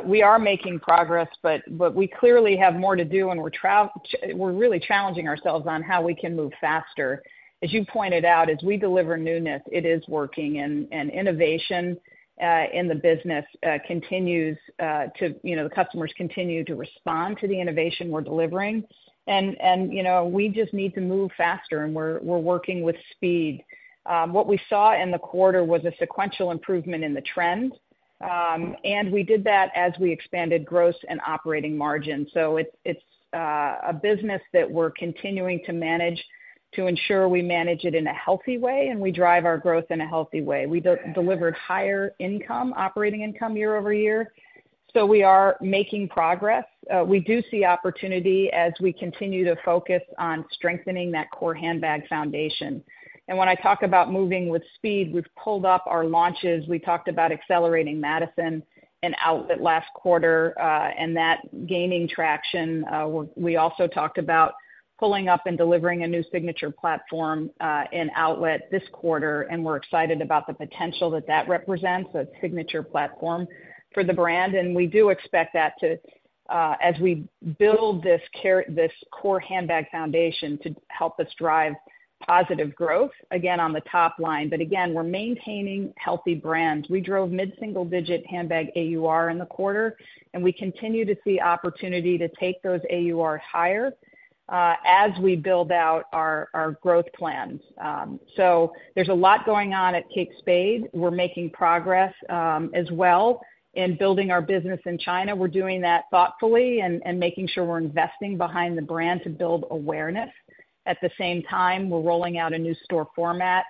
Speaker 3: We are making progress, but we clearly have more to do, and we're really challenging ourselves on how we can move faster. As you pointed out, as we deliver newness, it is working, and innovation in the business continues to. You know, the customers continue to respond to the innovation we're delivering. And you know, we just need to move faster, and we're working with speed. What we saw in the quarter was a sequential improvement in the trend, and we did that as we expanded gross and operating margin. So it's a business that we're continuing to manage to ensure we manage it in a healthy way and we drive our growth in a healthy way. We delivered higher income, operating income year over year. So we are making progress. We do see opportunity as we continue to focus on strengthening that core handbag foundation. And when I talk about moving with speed, we've pulled up our launches. We talked about accelerating Madison and outlet last quarter, and that gaining traction. We also talked about pulling up and delivering a new signature platform in outlet this quarter, and we're excited about the potential that that represents, a signature platform for the brand. And we do expect that to, as we build this core handbag foundation to help us drive positive growth, again, on the top line. But again, we're maintaining healthy brands. We drove mid-single-digit handbag AUR in the quarter, and we continue to see opportunity to take those AUR higher as we build out our growth plans. So there's a lot going on at Kate Spade. We're making progress as well in building our business in China. We're doing that thoughtfully and making sure we're investing behind the brand to build awareness. At the same time, we're rolling out a new store format.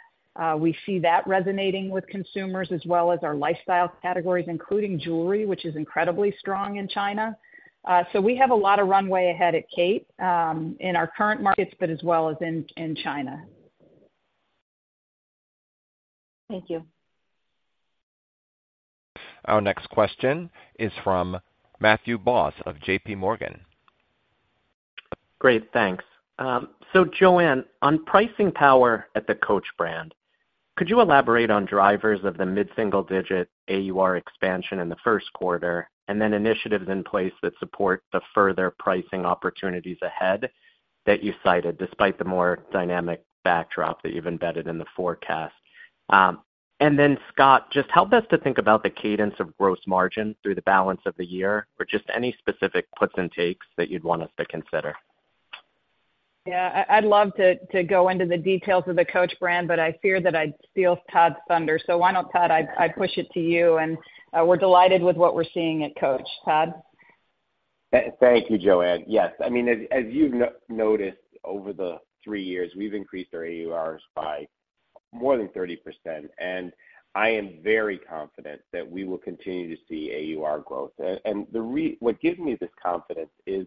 Speaker 3: We see that resonating with consumers as well as our lifestyle categories, including jewelry, which is incredibly strong in China. So we have a lot of runway ahead at Kate in our current markets, but as well as in China.
Speaker 7: Thank you.
Speaker 1: Our next question is from Matthew Boss of J.P. Morgan.
Speaker 8: Great, thanks. So Joanne, on pricing power at the Coach brand, could you elaborate on drivers of the mid-single-digit AUR expansion in the first quarter, and then initiatives in place that support the further pricing opportunities ahead that you cited, despite the more dynamic backdrop that you've embedded in the forecast? And then, Scott, just help us to think about the cadence of gross margin through the balance of the year, or just any specific puts and takes that you'd want us to consider?
Speaker 3: Yeah, I'd love to go into the details of the Coach brand, but I fear that I'd steal Todd's thunder. So why don't, Todd, I push it to you, and we're delighted with what we're seeing at Coach. Todd?
Speaker 9: Thank you, Joanne. Yes, I mean, as you've noticed, over the three years, we've increased our AURs by more than 30%, and I am very confident that we will continue to see AUR growth. What gives me this confidence is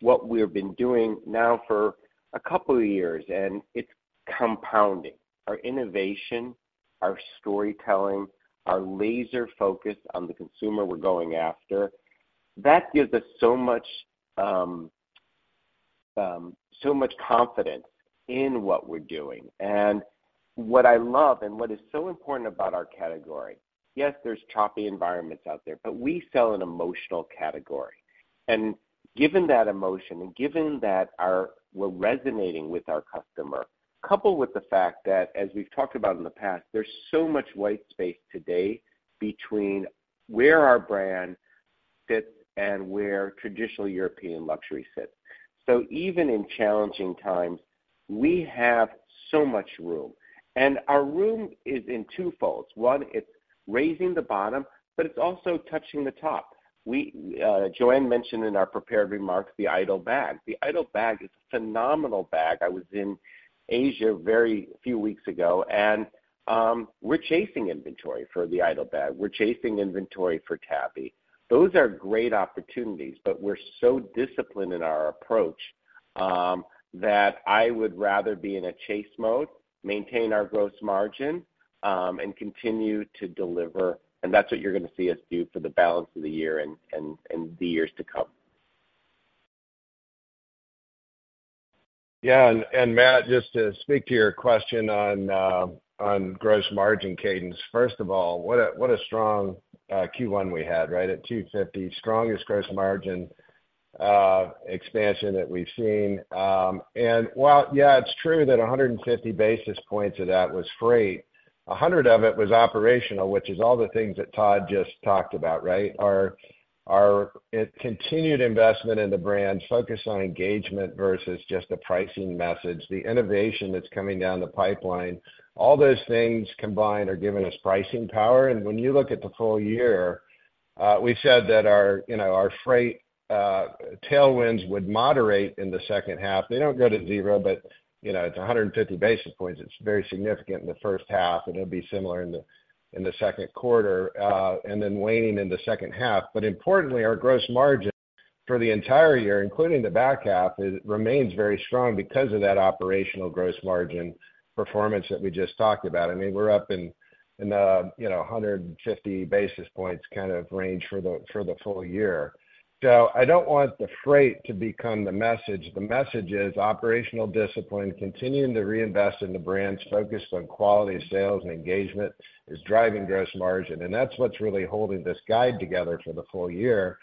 Speaker 9: what we have been doing now for a couple of years, and it's compounding. Our innovation, our storytelling, our laser focus on the consumer we're going after, that gives us so much confidence in what we're doing. And what I love and what is so important about our category, yes, there's choppy environments out there, but we sell an emotional category. And given that emotion, and given that we're resonating with our customer, coupled with the fact that, as we've talked about in the past, there's so much white space today between where our brand sits and where traditional European luxury sits. So even in challenging times, we have so much room, and our room is in twofolds. One, it's raising the bottom, but it's also touching the top. Joanne mentioned in our prepared remarks, the Idol bag. The Idol bag is a phenomenal bag. I was in Asia very few weeks ago, and we're chasing inventory for the Idol bag. We're chasing inventory for Tabby. Those are great opportunities, but we're so disciplined in our approach, that I would rather be in a chase mode, maintain our gross margin, and continue to deliver, and that's what you're going to see us do for the balance of the year and the years to come.
Speaker 4: Yeah, and Matt, just to speak to your question on gross margin cadence. First of all, what a strong Q1 we had, right? At 250, strongest gross margin expansion that we've seen. And while, yeah, it's true that 150 basis points of that was freight, 100 of it was operational, which is all the things that Todd just talked about, right? Our continued investment in the brand, focus on engagement versus just a pricing message, the innovation that's coming down the pipeline, all those things combined are giving us pricing power. And when you look at the full year, we said that our, you know, our freight tailwinds would moderate in the second half. They don't go to zero, but, you know, it's 150 basis points. It's very significant in the first half, and it'll be similar in the, in the second quarter, and then waning in the second half. But importantly, our gross margin for the entire year, including the back half, it remains very strong because of that operational gross margin performance that we just talked about. I mean, we're up in, in the, you know, 150 basis points kind of range for the, for the full year. So I don't want the freight to become the message. The message is operational discipline, continuing to reinvest in the brands, focused on quality of sales and engagement is driving gross margin, and that's what's really holding this guide together for the full year,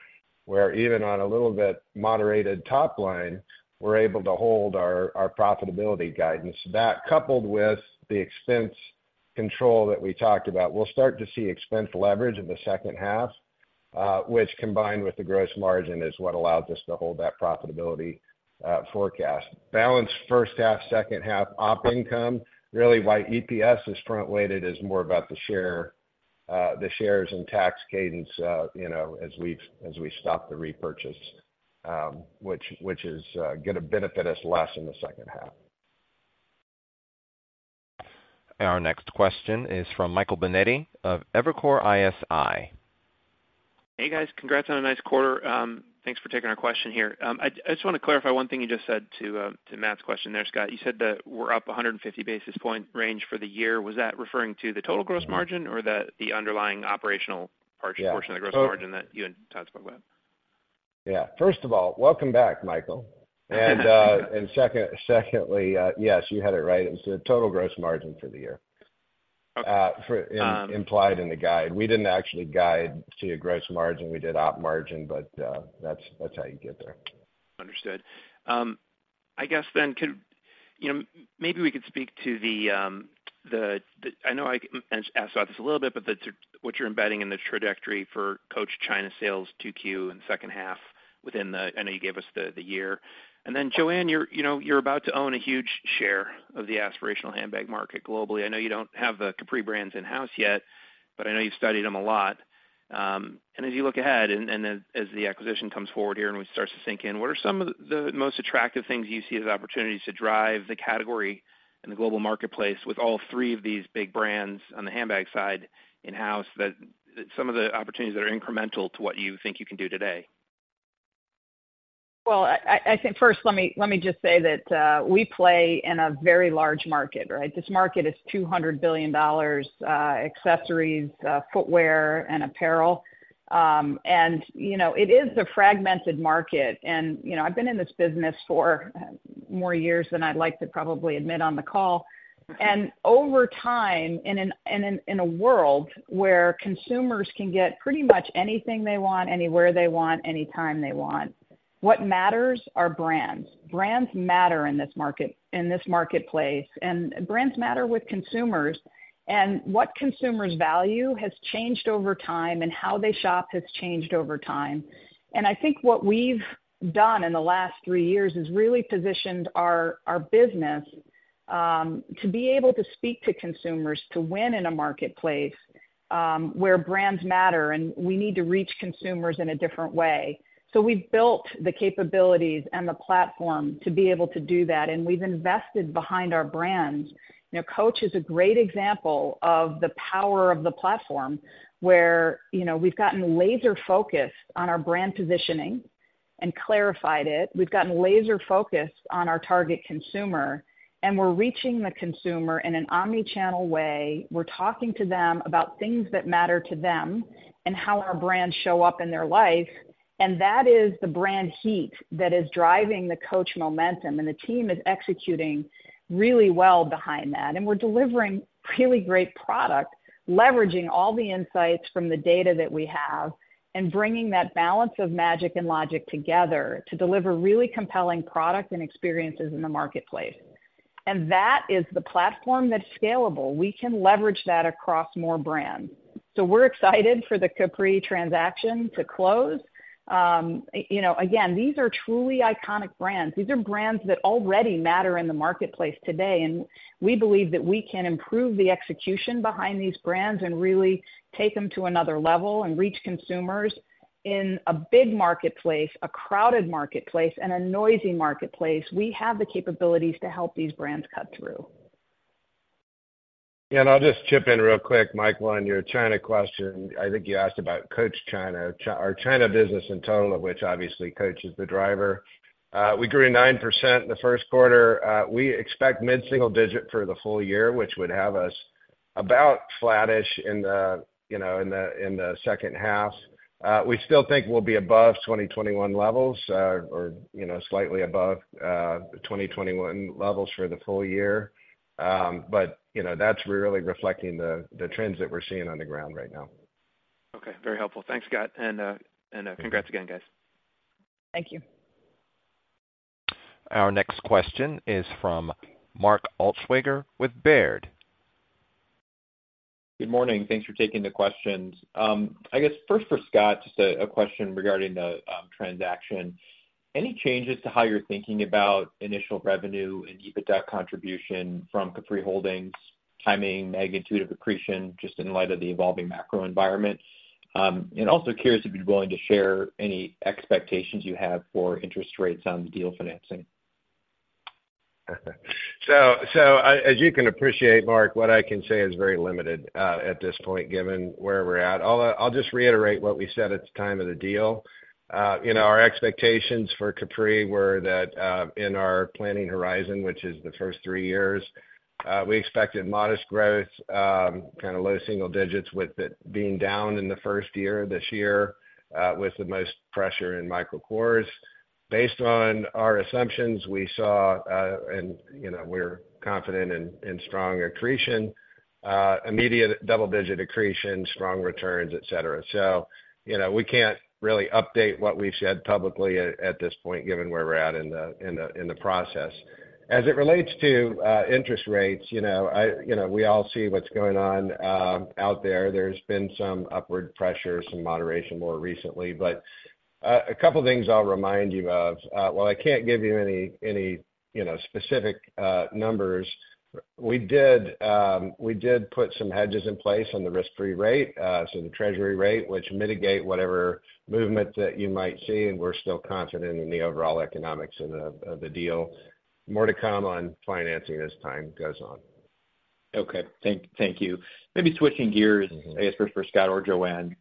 Speaker 4: where even on a little bit moderated top line, we're able to hold our, our profitability guidance. That, coupled with the expense control that we talked about, we'll start to see expense leverage in the second half, which combined with the gross margin, is what allows us to hold that profitability, forecast. Balance first half, second half op income. Really, why EPS is front-weighted is more about the share, the shares and tax cadence, you know, as we've, as we stop the repurchase, which, which is, gonna benefit us less in the second half.
Speaker 1: Our next question is from Michael Binetti of Evercore ISI.
Speaker 10: Hey, guys. Congrats on a nice quarter. Thanks for taking our question here. I just want to clarify one thing you just said to Matt's question there, Scott. You said that we're up 150 basis point range for the year. Was that referring to the total gross margin or the underlying operational part portion of the Gross Margin that you and Todd spoke about?
Speaker 4: Yeah. First of all, welcome back, Michael. And, and second, secondly, yes, you had it right. It was the total gross margin for the year.
Speaker 10: Okay.
Speaker 4: For implied in the guide. We didn't actually guide to a gross margin. We did op margin, but that's how you get there.
Speaker 10: then could, you know, maybe we could speak to the, the what you're embedding in the trajectory for Coach China sales 2Q and second half within the. I know I asked about this a little bit, but the what you're embedding in the trajectory for Coach China sales 2Q and second half within the. I know you gave us the year. And then, Joanne, you're, you know, you're about to own a huge share of the aspirational handbag market globally. I know you don't have the Capri brands in-house yet, but I know you've studied them a lot. As you look ahead, and as the acquisition comes forward here, and it starts to sink in, what are some of the most attractive things you see as opportunities to drive the category in the global marketplace with all three of these big brands on the handbag side in-house, some of the opportunities that are incremental to what you think you can do today?
Speaker 3: Well, I think first, let me just say that we play in a very large market, right? This market is $200 billion, accessories, footwear, and apparel. And, you know, it is a fragmented market. And, you know, I've been in this business for more years than I'd like to probably admit on the call. And over time, in a world where consumers can get pretty much anything they want, anywhere they want, anytime they want, what matters are brands. Brands matter in this market, in this marketplace, and brands matter with consumers. And what consumers value has changed over time, and how they shop has changed over time. I think what we've done in the last three years is really positioned our business to be able to speak to consumers, to win in a marketplace where brands matter, and we need to reach consumers in a different way. We've built the capabilities and the platform to be able to do that, and we've invested behind our brands. You know, Coach is a great example of the power of the platform, where, you know, we've gotten laser focused on our brand positioning and clarified it. We've gotten laser focused on our target consumer, and we're reaching the consumer in an omnichannel way. We're talking to them about things that matter to them and how our brands show up in their life, and that is the brand heat that is driving the Coach momentum. The team is executing really well behind that, and we're delivering really great product, leveraging all the insights from the data that we have, and bringing that balance of magic and logic together to deliver really compelling product and experiences in the marketplace. That is the platform that's scalable. We can leverage that across more brands. So we're excited for the Capri transaction to close. You know, again, these are truly iconic brands. These are brands that already matter in the marketplace today, and we believe that we can improve the execution behind these brands and really take them to another level and reach consumers in a big marketplace, a crowded marketplace, and a noisy marketplace. We have the capabilities to help these brands cut through.
Speaker 4: Yeah, and I'll just chip in real quick, Michael, on your China question. I think you asked about Coach China, or China business in total, of which obviously Coach is the driver. We grew 9% in the first quarter. We expect mid-single digit for the full year, which would have us about flattish in the, you know, in the second half. We still think we'll be above 2021 levels, or, you know, slightly above the 2021 levels for the full year. But, you know, that's really reflecting the trends that we're seeing on the ground right now.
Speaker 10: Okay. Very helpful. Thanks, Scott, and congrats again, guys.
Speaker 3: Thank you.
Speaker 1: Our next question is from Mark Altschwager with Baird.
Speaker 11: Good morning. Thanks for taking the questions. I guess first for Scott, just a question regarding the transaction. Any changes to how you're thinking about initial revenue and EBITDA contribution from Capri Holdings, timing, magnitude of accretion, just in light of the evolving macro environment? And also curious if you'd be willing to share any expectations you have for interest rates on the deal financing?
Speaker 4: So, as you can appreciate, Mark, what I can say is very limited at this point, given where we're at. I'll just reiterate what we said at the time of the deal. You know, our expectations for Capri were that in our planning horizon, which is the first three years, we expected modest growth, kind of low single digits, with it being down in the first year, this year, with the most pressure in Michael Kors. Based on our assumptions, we saw, and you know, we're confident in strong accretion, immediate double-digit accretion, strong returns, et cetera. So, you know, we can't really update what we've said publicly at this point, given where we're at in the process. As it relates to interest rates, you know, you know, we all see what's going on out there. There's been some upward pressure, some moderation more recently. But a couple things I'll remind you of. While I can't give you any you know, specific numbers, we did put some hedges in place on the risk-free rate, so the treasury rate, which mitigate whatever movement that you might see, and we're still confident in the overall economics of the deal. More to come on financing as time goes on.
Speaker 11: Okay, thank you. Maybe switching gears, I guess, first for Scott or Joanne.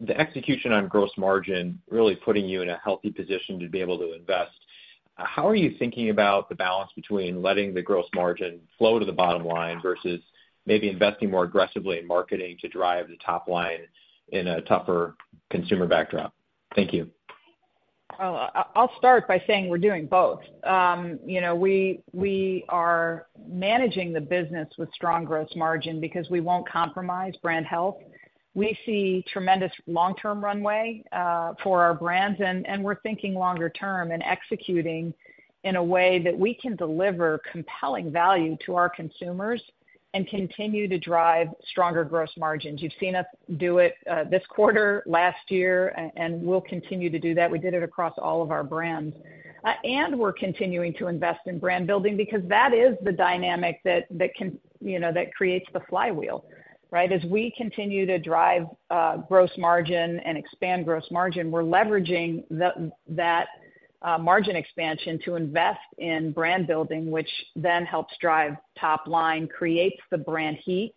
Speaker 11: The execution on gross margin really putting you in a healthy position to be able to invest. How are you thinking about the balance between letting the gross margin flow to the bottom line versus maybe investing more aggressively in marketing to drive the top line in a tougher consumer backdrop? Thank you.
Speaker 3: Well, I, I'll start by saying we're doing both. You know, we, we are managing the business with strong gross margin because we won't compromise brand health. We see tremendous long-term runway for our brands, and, and we're thinking longer term and executing in a way that we can deliver compelling value to our consumers and continue to drive stronger gross margins. You've seen us do it this quarter, last year, and we'll continue to do that. We did it across all of our brands. And we're continuing to invest in brand building because that is the dynamic that, that can, you know, that creates the flywheel, right? As we continue to drive gross margin and expand gross margin, we're leveraging that margin expansion to invest in brand building, which then helps drive top line, creates the brand heat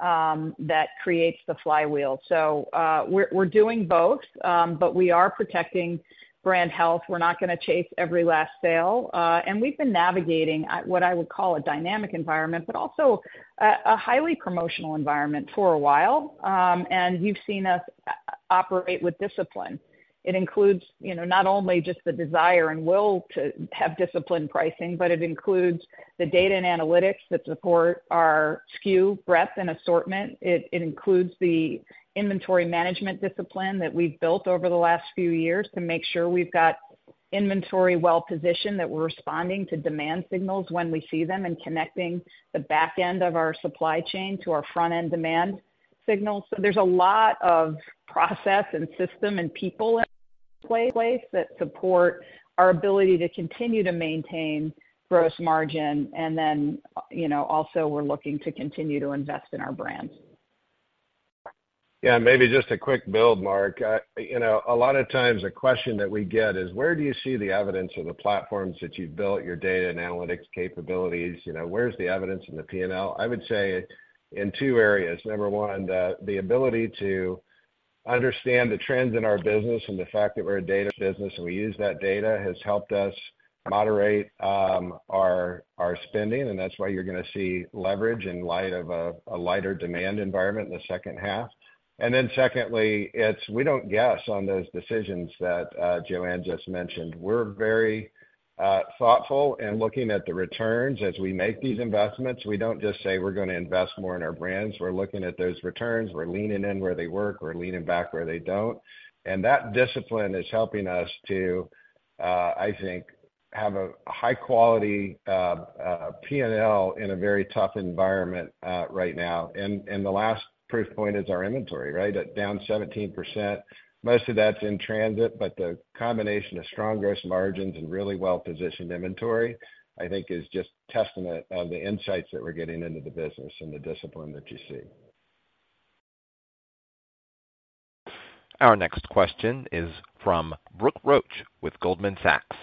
Speaker 3: that creates the flywheel. So, we're doing both, but we are protecting brand health. We're not gonna chase every last sale, and we've been navigating at what I would call a dynamic environment, but also a highly promotional environment for a while. And you've seen us operate with discipline. It includes, you know, not only just the desire and will to have disciplined pricing, but it includes the data and analytics that support our SKU breadth and assortment. It includes the inventory management discipline that we've built over the last few years to make sure we've got inventory well positioned, that we're responding to demand signals when we see them, and connecting the back end of our supply chain to our front-end demand signals. So there's a lot of process and system and people in place that support our ability to continue to maintain gross margin. And then, you know, also, we're looking to continue to invest in our brands.
Speaker 4: Yeah, maybe just a quick build, Mark. You know, a lot of times the question that we get is, where do you see the evidence of the platforms that you've built, your data and analytics capabilities? You know, where's the evidence in the P&L? I would say in two areas. Number one, the ability to understand the trends in our business and the fact that we're a data business, and we use that data, has helped us moderate our spending, and that's why you're gonna see leverage in light of a lighter demand environment in the second half. And then secondly, it's we don't guess on those decisions that Joanne just mentioned. We're very thoughtful in looking at the returns as we make these investments. We don't just say: We're gonna invest more in our brands. We're looking at those returns. We're leaning in where they work, we're leaning back where they don't. And that discipline is helping us to, I think, have a high quality P&L in a very tough environment right now. And the last proof point is our inventory, right? At down 17%. Most of that's in transit, but the combination of strong gross margins and really well-positioned inventory, I think, is just testament of the insights that we're getting into the business and the discipline that you see.
Speaker 1: Our next question is from Brooke Roach with Goldman Sachs.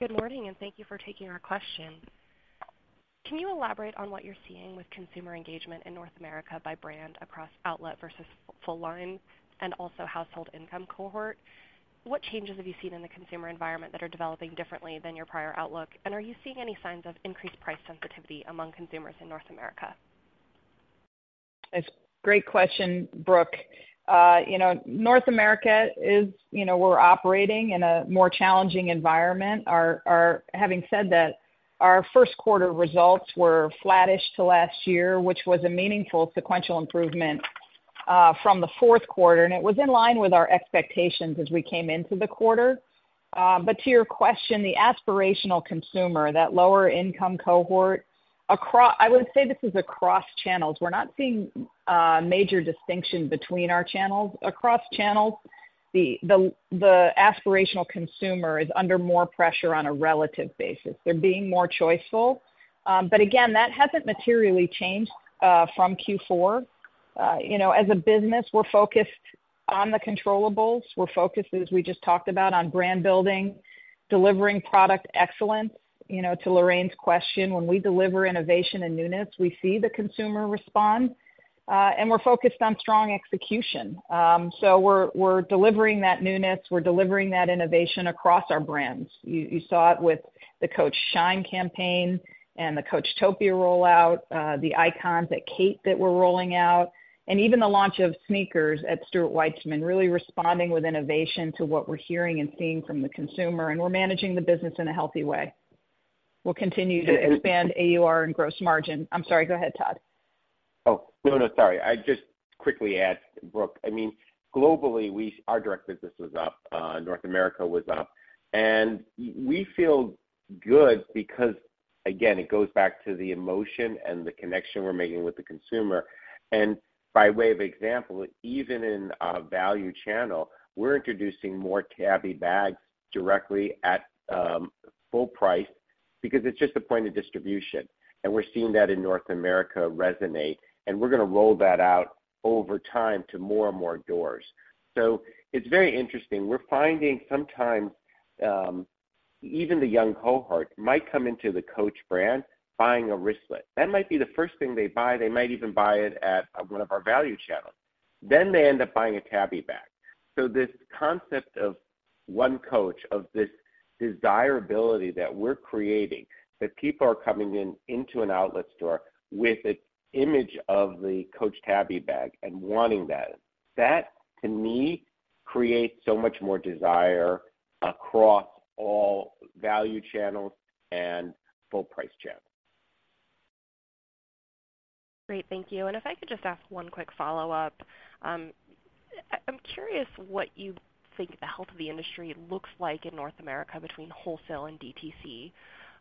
Speaker 12: Good morning, and thank you for taking our question. Can you elaborate on what you're seeing with consumer engagement in North America by brand, across outlet versus full line and also household income cohort? What changes have you seen in the consumer environment that are developing differently than your prior outlook? And are you seeing any signs of increased price sensitivity among consumers in North America?
Speaker 3: It's great question, Brooke. You know, North America is. You know, we're operating in a more challenging environment. Having said that, our first quarter results were flattish to last year, which was a meaningful sequential improvement from the fourth quarter, and it was in line with our expectations as we came into the quarter. But to your question, the aspirational consumer, that lower income cohort, I would say this is across channels. We're not seeing major distinction between our channels. Across channels, the aspirational consumer is under more pressure on a relative basis. They're being more choiceful. But again, that hasn't materially changed from Q4. You know, as a business, we're focused on the controllables. We're focused, as we just talked about, on brand building, delivering product excellence. You know, to Lorraine's question, when we deliver innovation and newness, we see the consumer respond, and we're focused on strong execution. So we're delivering that newness, we're delivering that innovation across our brands. You saw it with the Coach Shine campaign and the Coachtopia rollout, the icons at Kate that we're rolling out, and even the launch of sneakers at Stuart Weitzman, really responding with innovation to what we're hearing and seeing from the consumer, and we're managing the business in a healthy way. We'll continue to expand AUR and gross margin. I'm sorry, go ahead, Todd.
Speaker 9: Oh, no, no, sorry. I just quickly add, Brooke, I mean, globally, we, our direct business was up, North America was up. And we feel good because, again, it goes back to the emotion and the connection we're making with the consumer. And by way of example, even in our value channel, we're introducing more Tabby bags directly at full price because it's just a point of distribution, and we're seeing that in North America resonate, and we're gonna roll that out over time to more and more doors. So it's very interesting. We're finding even the young cohort might come into the Coach brand buying a wristlet. That might be the first thing they buy. They might even buy it at one of our value channels. Then they end up buying a Tabby bag. So this concept of one Coach, of this desirability that we're creating, that people are coming in, into an outlet store with an image of the Coach Tabby bag and wanting that, that, to me, creates so much more desire across all value channels and full price channels.
Speaker 12: Great, thank you. And if I could just ask one quick follow-up. I'm curious what you think the health of the industry looks like in North America between wholesale and DTC.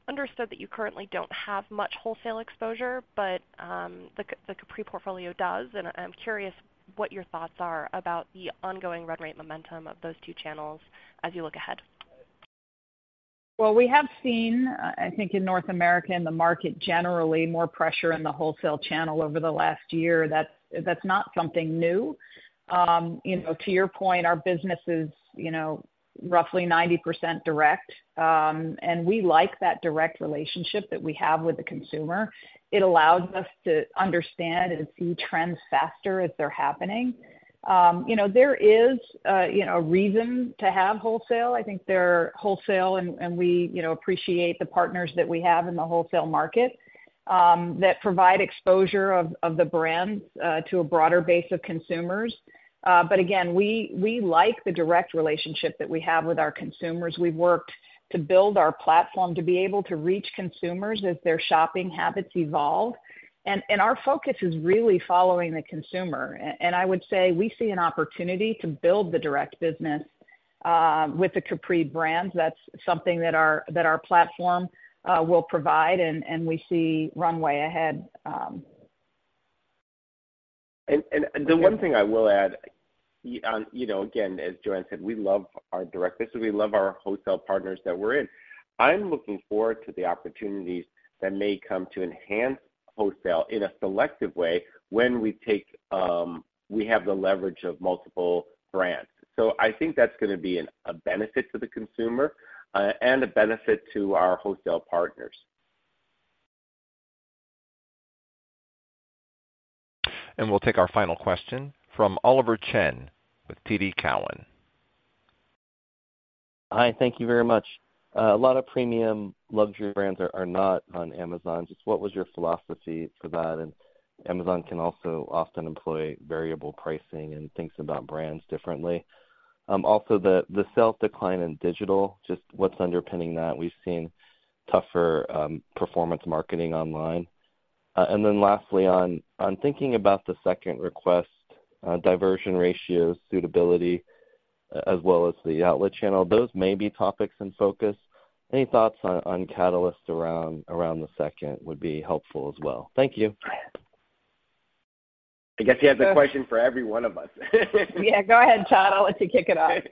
Speaker 12: Understood that you currently don't have much wholesale exposure, but, the Capri portfolio does, and I'm curious what your thoughts are about the ongoing run rate momentum of those two channels as you look ahead.
Speaker 3: Well, we have seen, I think in North America, and the market generally, more pressure in the wholesale channel over the last year. That's, that's not something new. You know, to your point, our business is, you know, roughly 90% direct, and we like that direct relationship that we have with the consumer. It allows us to understand and see trends faster as they're happening. You know, there is a, you know, a reason to have wholesale. I think there are wholesale and, and we, you know, appreciate the partners that we have in the wholesale market, that provide exposure of, of the brand, to a broader base of consumers. But again, we, we like the direct relationship that we have with our consumers. We've worked to build our platform to be able to reach consumers as their shopping habits evolve. Our focus is really following the consumer. I would say we see an opportunity to build the direct business with the Capri brands. That's something that our platform will provide, and we see runway ahead.
Speaker 9: The one thing I will add, you know, again, as Joanne said, we love our direct business. We love our wholesale partners that we're in. I'm looking forward to the opportunities that may come to enhance wholesale in a selective way when we take, we have the leverage of multiple brands. So I think that's going to be a benefit to the consumer, and a benefit to our wholesale partners.
Speaker 1: We'll take our final question from Oliver Chen with TD Cowen.
Speaker 13: Hi, thank you very much. A lot of premium luxury brands are not on Amazon. Just what was your philosophy for that? And Amazon can also often employ variable pricing and thinks about brands differently. Also, the sales decline in digital, just what's underpinning that? We've seen tougher performance marketing online. And then lastly, on thinking about the second request, diversion ratios, suitability, as well as the outlet channel, those may be topics in focus. Any thoughts on catalysts around the second would be helpful as well. Thank you.
Speaker 9: I guess you have a question for every one of us.
Speaker 3: Yeah, go ahead, Todd. I'll let you kick it off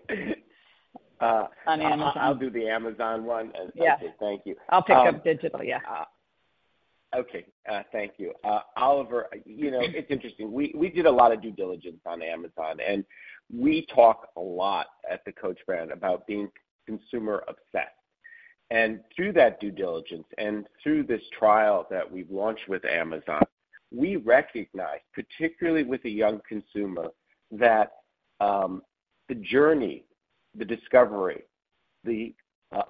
Speaker 3: on Amazon.
Speaker 9: I'll do the Amazon one.
Speaker 3: Yeah.
Speaker 9: Thank you.
Speaker 3: I'll pick up digital, yeah.
Speaker 9: Okay, thank you. Oliver, you know, it's interesting. We did a lot of due diligence on Amazon, and we talk a lot at the Coach brand about being consumer obsessed. And through that due diligence and through this trial that we've launched with Amazon, we recognized, particularly with the young consumer, that the journey, the discovery,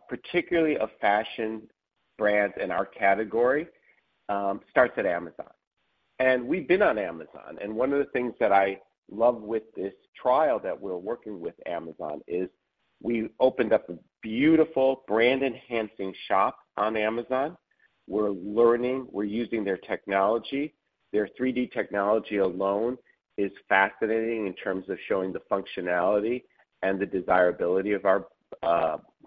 Speaker 9: particularly of fashion brands in our category, starts at Amazon. And we've been on Amazon, and one of the things that I love with this trial that we're working with Amazon is we opened up a beautiful brand-enhancing shop on Amazon. We're learning, we're using their technology. Their 3D technology alone is fascinating in terms of showing the functionality and the desirability of our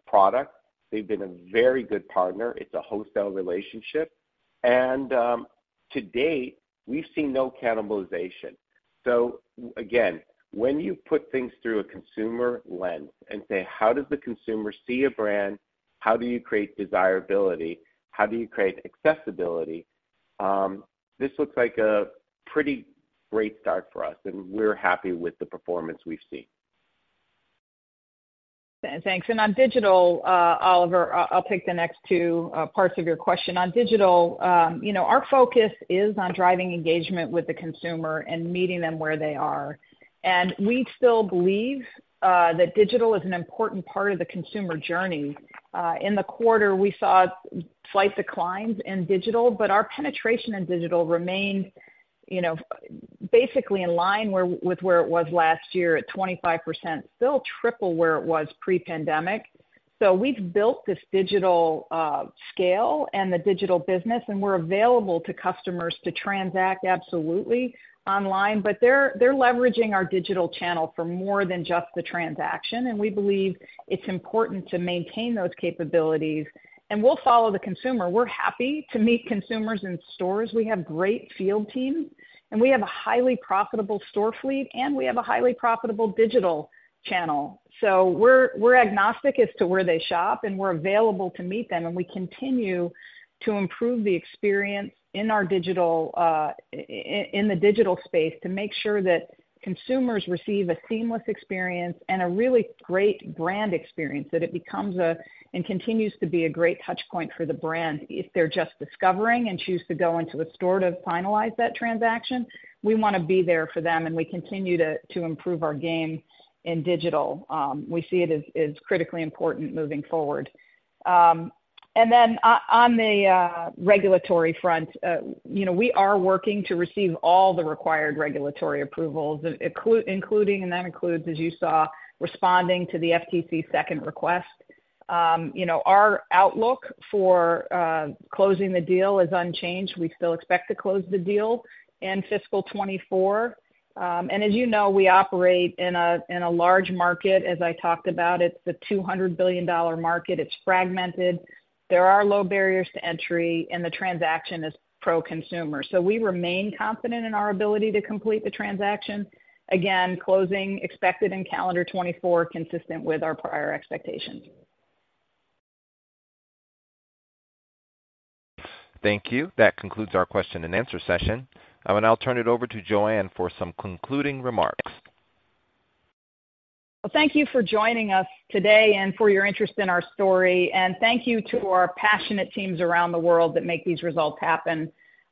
Speaker 9: product. They've been a very good partner. It's a wholesale relationship, and to date, we've seen no cannibalization. So again, when you put things through a consumer lens and say: How does the consumer see a brand? How do you create desirability? How do you create accessibility? This looks like a pretty great start for us, and we're happy with the performance we've seen.
Speaker 3: Thanks. And on digital, Oliver, I'll take the next two parts of your question. On digital, you know, our focus is on driving engagement with the consumer and meeting them where they are. And we still believe that digital is an important part of the consumer journey. In the quarter, we saw slight declines in digital, but our penetration in digital remained, you know, basically in line with where it was last year at 25%, still triple where it was pre-pandemic. So we've built this digital scale and the digital business, and we're available to customers to transact absolutely online, but they're leveraging our digital channel for more than just the transaction, and we believe it's important to maintain those capabilities. And we'll follow the consumer. We're happy to meet consumers in stores. We have great field teams, and we have a highly profitable store fleet, and we have a highly profitable digital channel. So we're agnostic as to where they shop, and we're available to meet them, and we continue to improve the experience in our digital in the digital space to make sure that consumers receive a seamless experience and a really great brand experience, that it becomes a, and continues to be a great touch point for the brand. If they're just discovering and choose to go into a store to finalize that transaction, we want to be there for them, and we continue to improve our game in digital. We see it as critically important moving forward. And then on the regulatory front, you know, we are working to receive all the required regulatory approvals, including, and that includes, as you saw, responding to the FTC second request. You know, our outlook for closing the deal is unchanged. We still expect to close the deal in fiscal 2024. And as you know, we operate in a large market. As I talked about, it's a $200 billion market. It's fragmented. There are low barriers to entry, and the transaction is pro-consumer. So we remain confident in our ability to complete the transaction. Again, closing expected in calendar 2024, consistent with our prior expectations.
Speaker 1: Thank you. That concludes our question-and-answer session. I will now turn it over to Joanne for some concluding remarks.
Speaker 3: Well, thank you for joining us today and for your interest in our story. Thank you to our passionate teams around the world that make these results happen.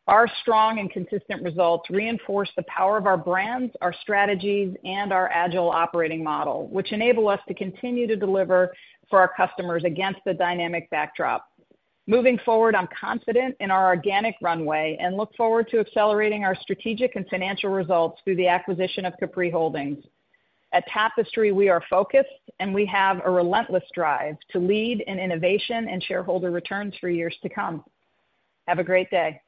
Speaker 3: Our strong and consistent results reinforce the power of our brands, our strategies, and our agile operating model, which enable us to continue to deliver for our customers against the dynamic backdrop. Moving forward, I'm confident in our organic runway and look forward to accelerating our strategic and financial results through the acquisition of Capri Holdings. At Tapestry, we are focused, and we have a relentless drive to lead in innovation and shareholder returns for years to come. Have a great day.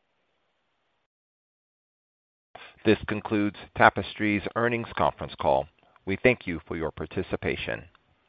Speaker 1: This concludes Tapestry's earnings conference call. We thank you for your participation.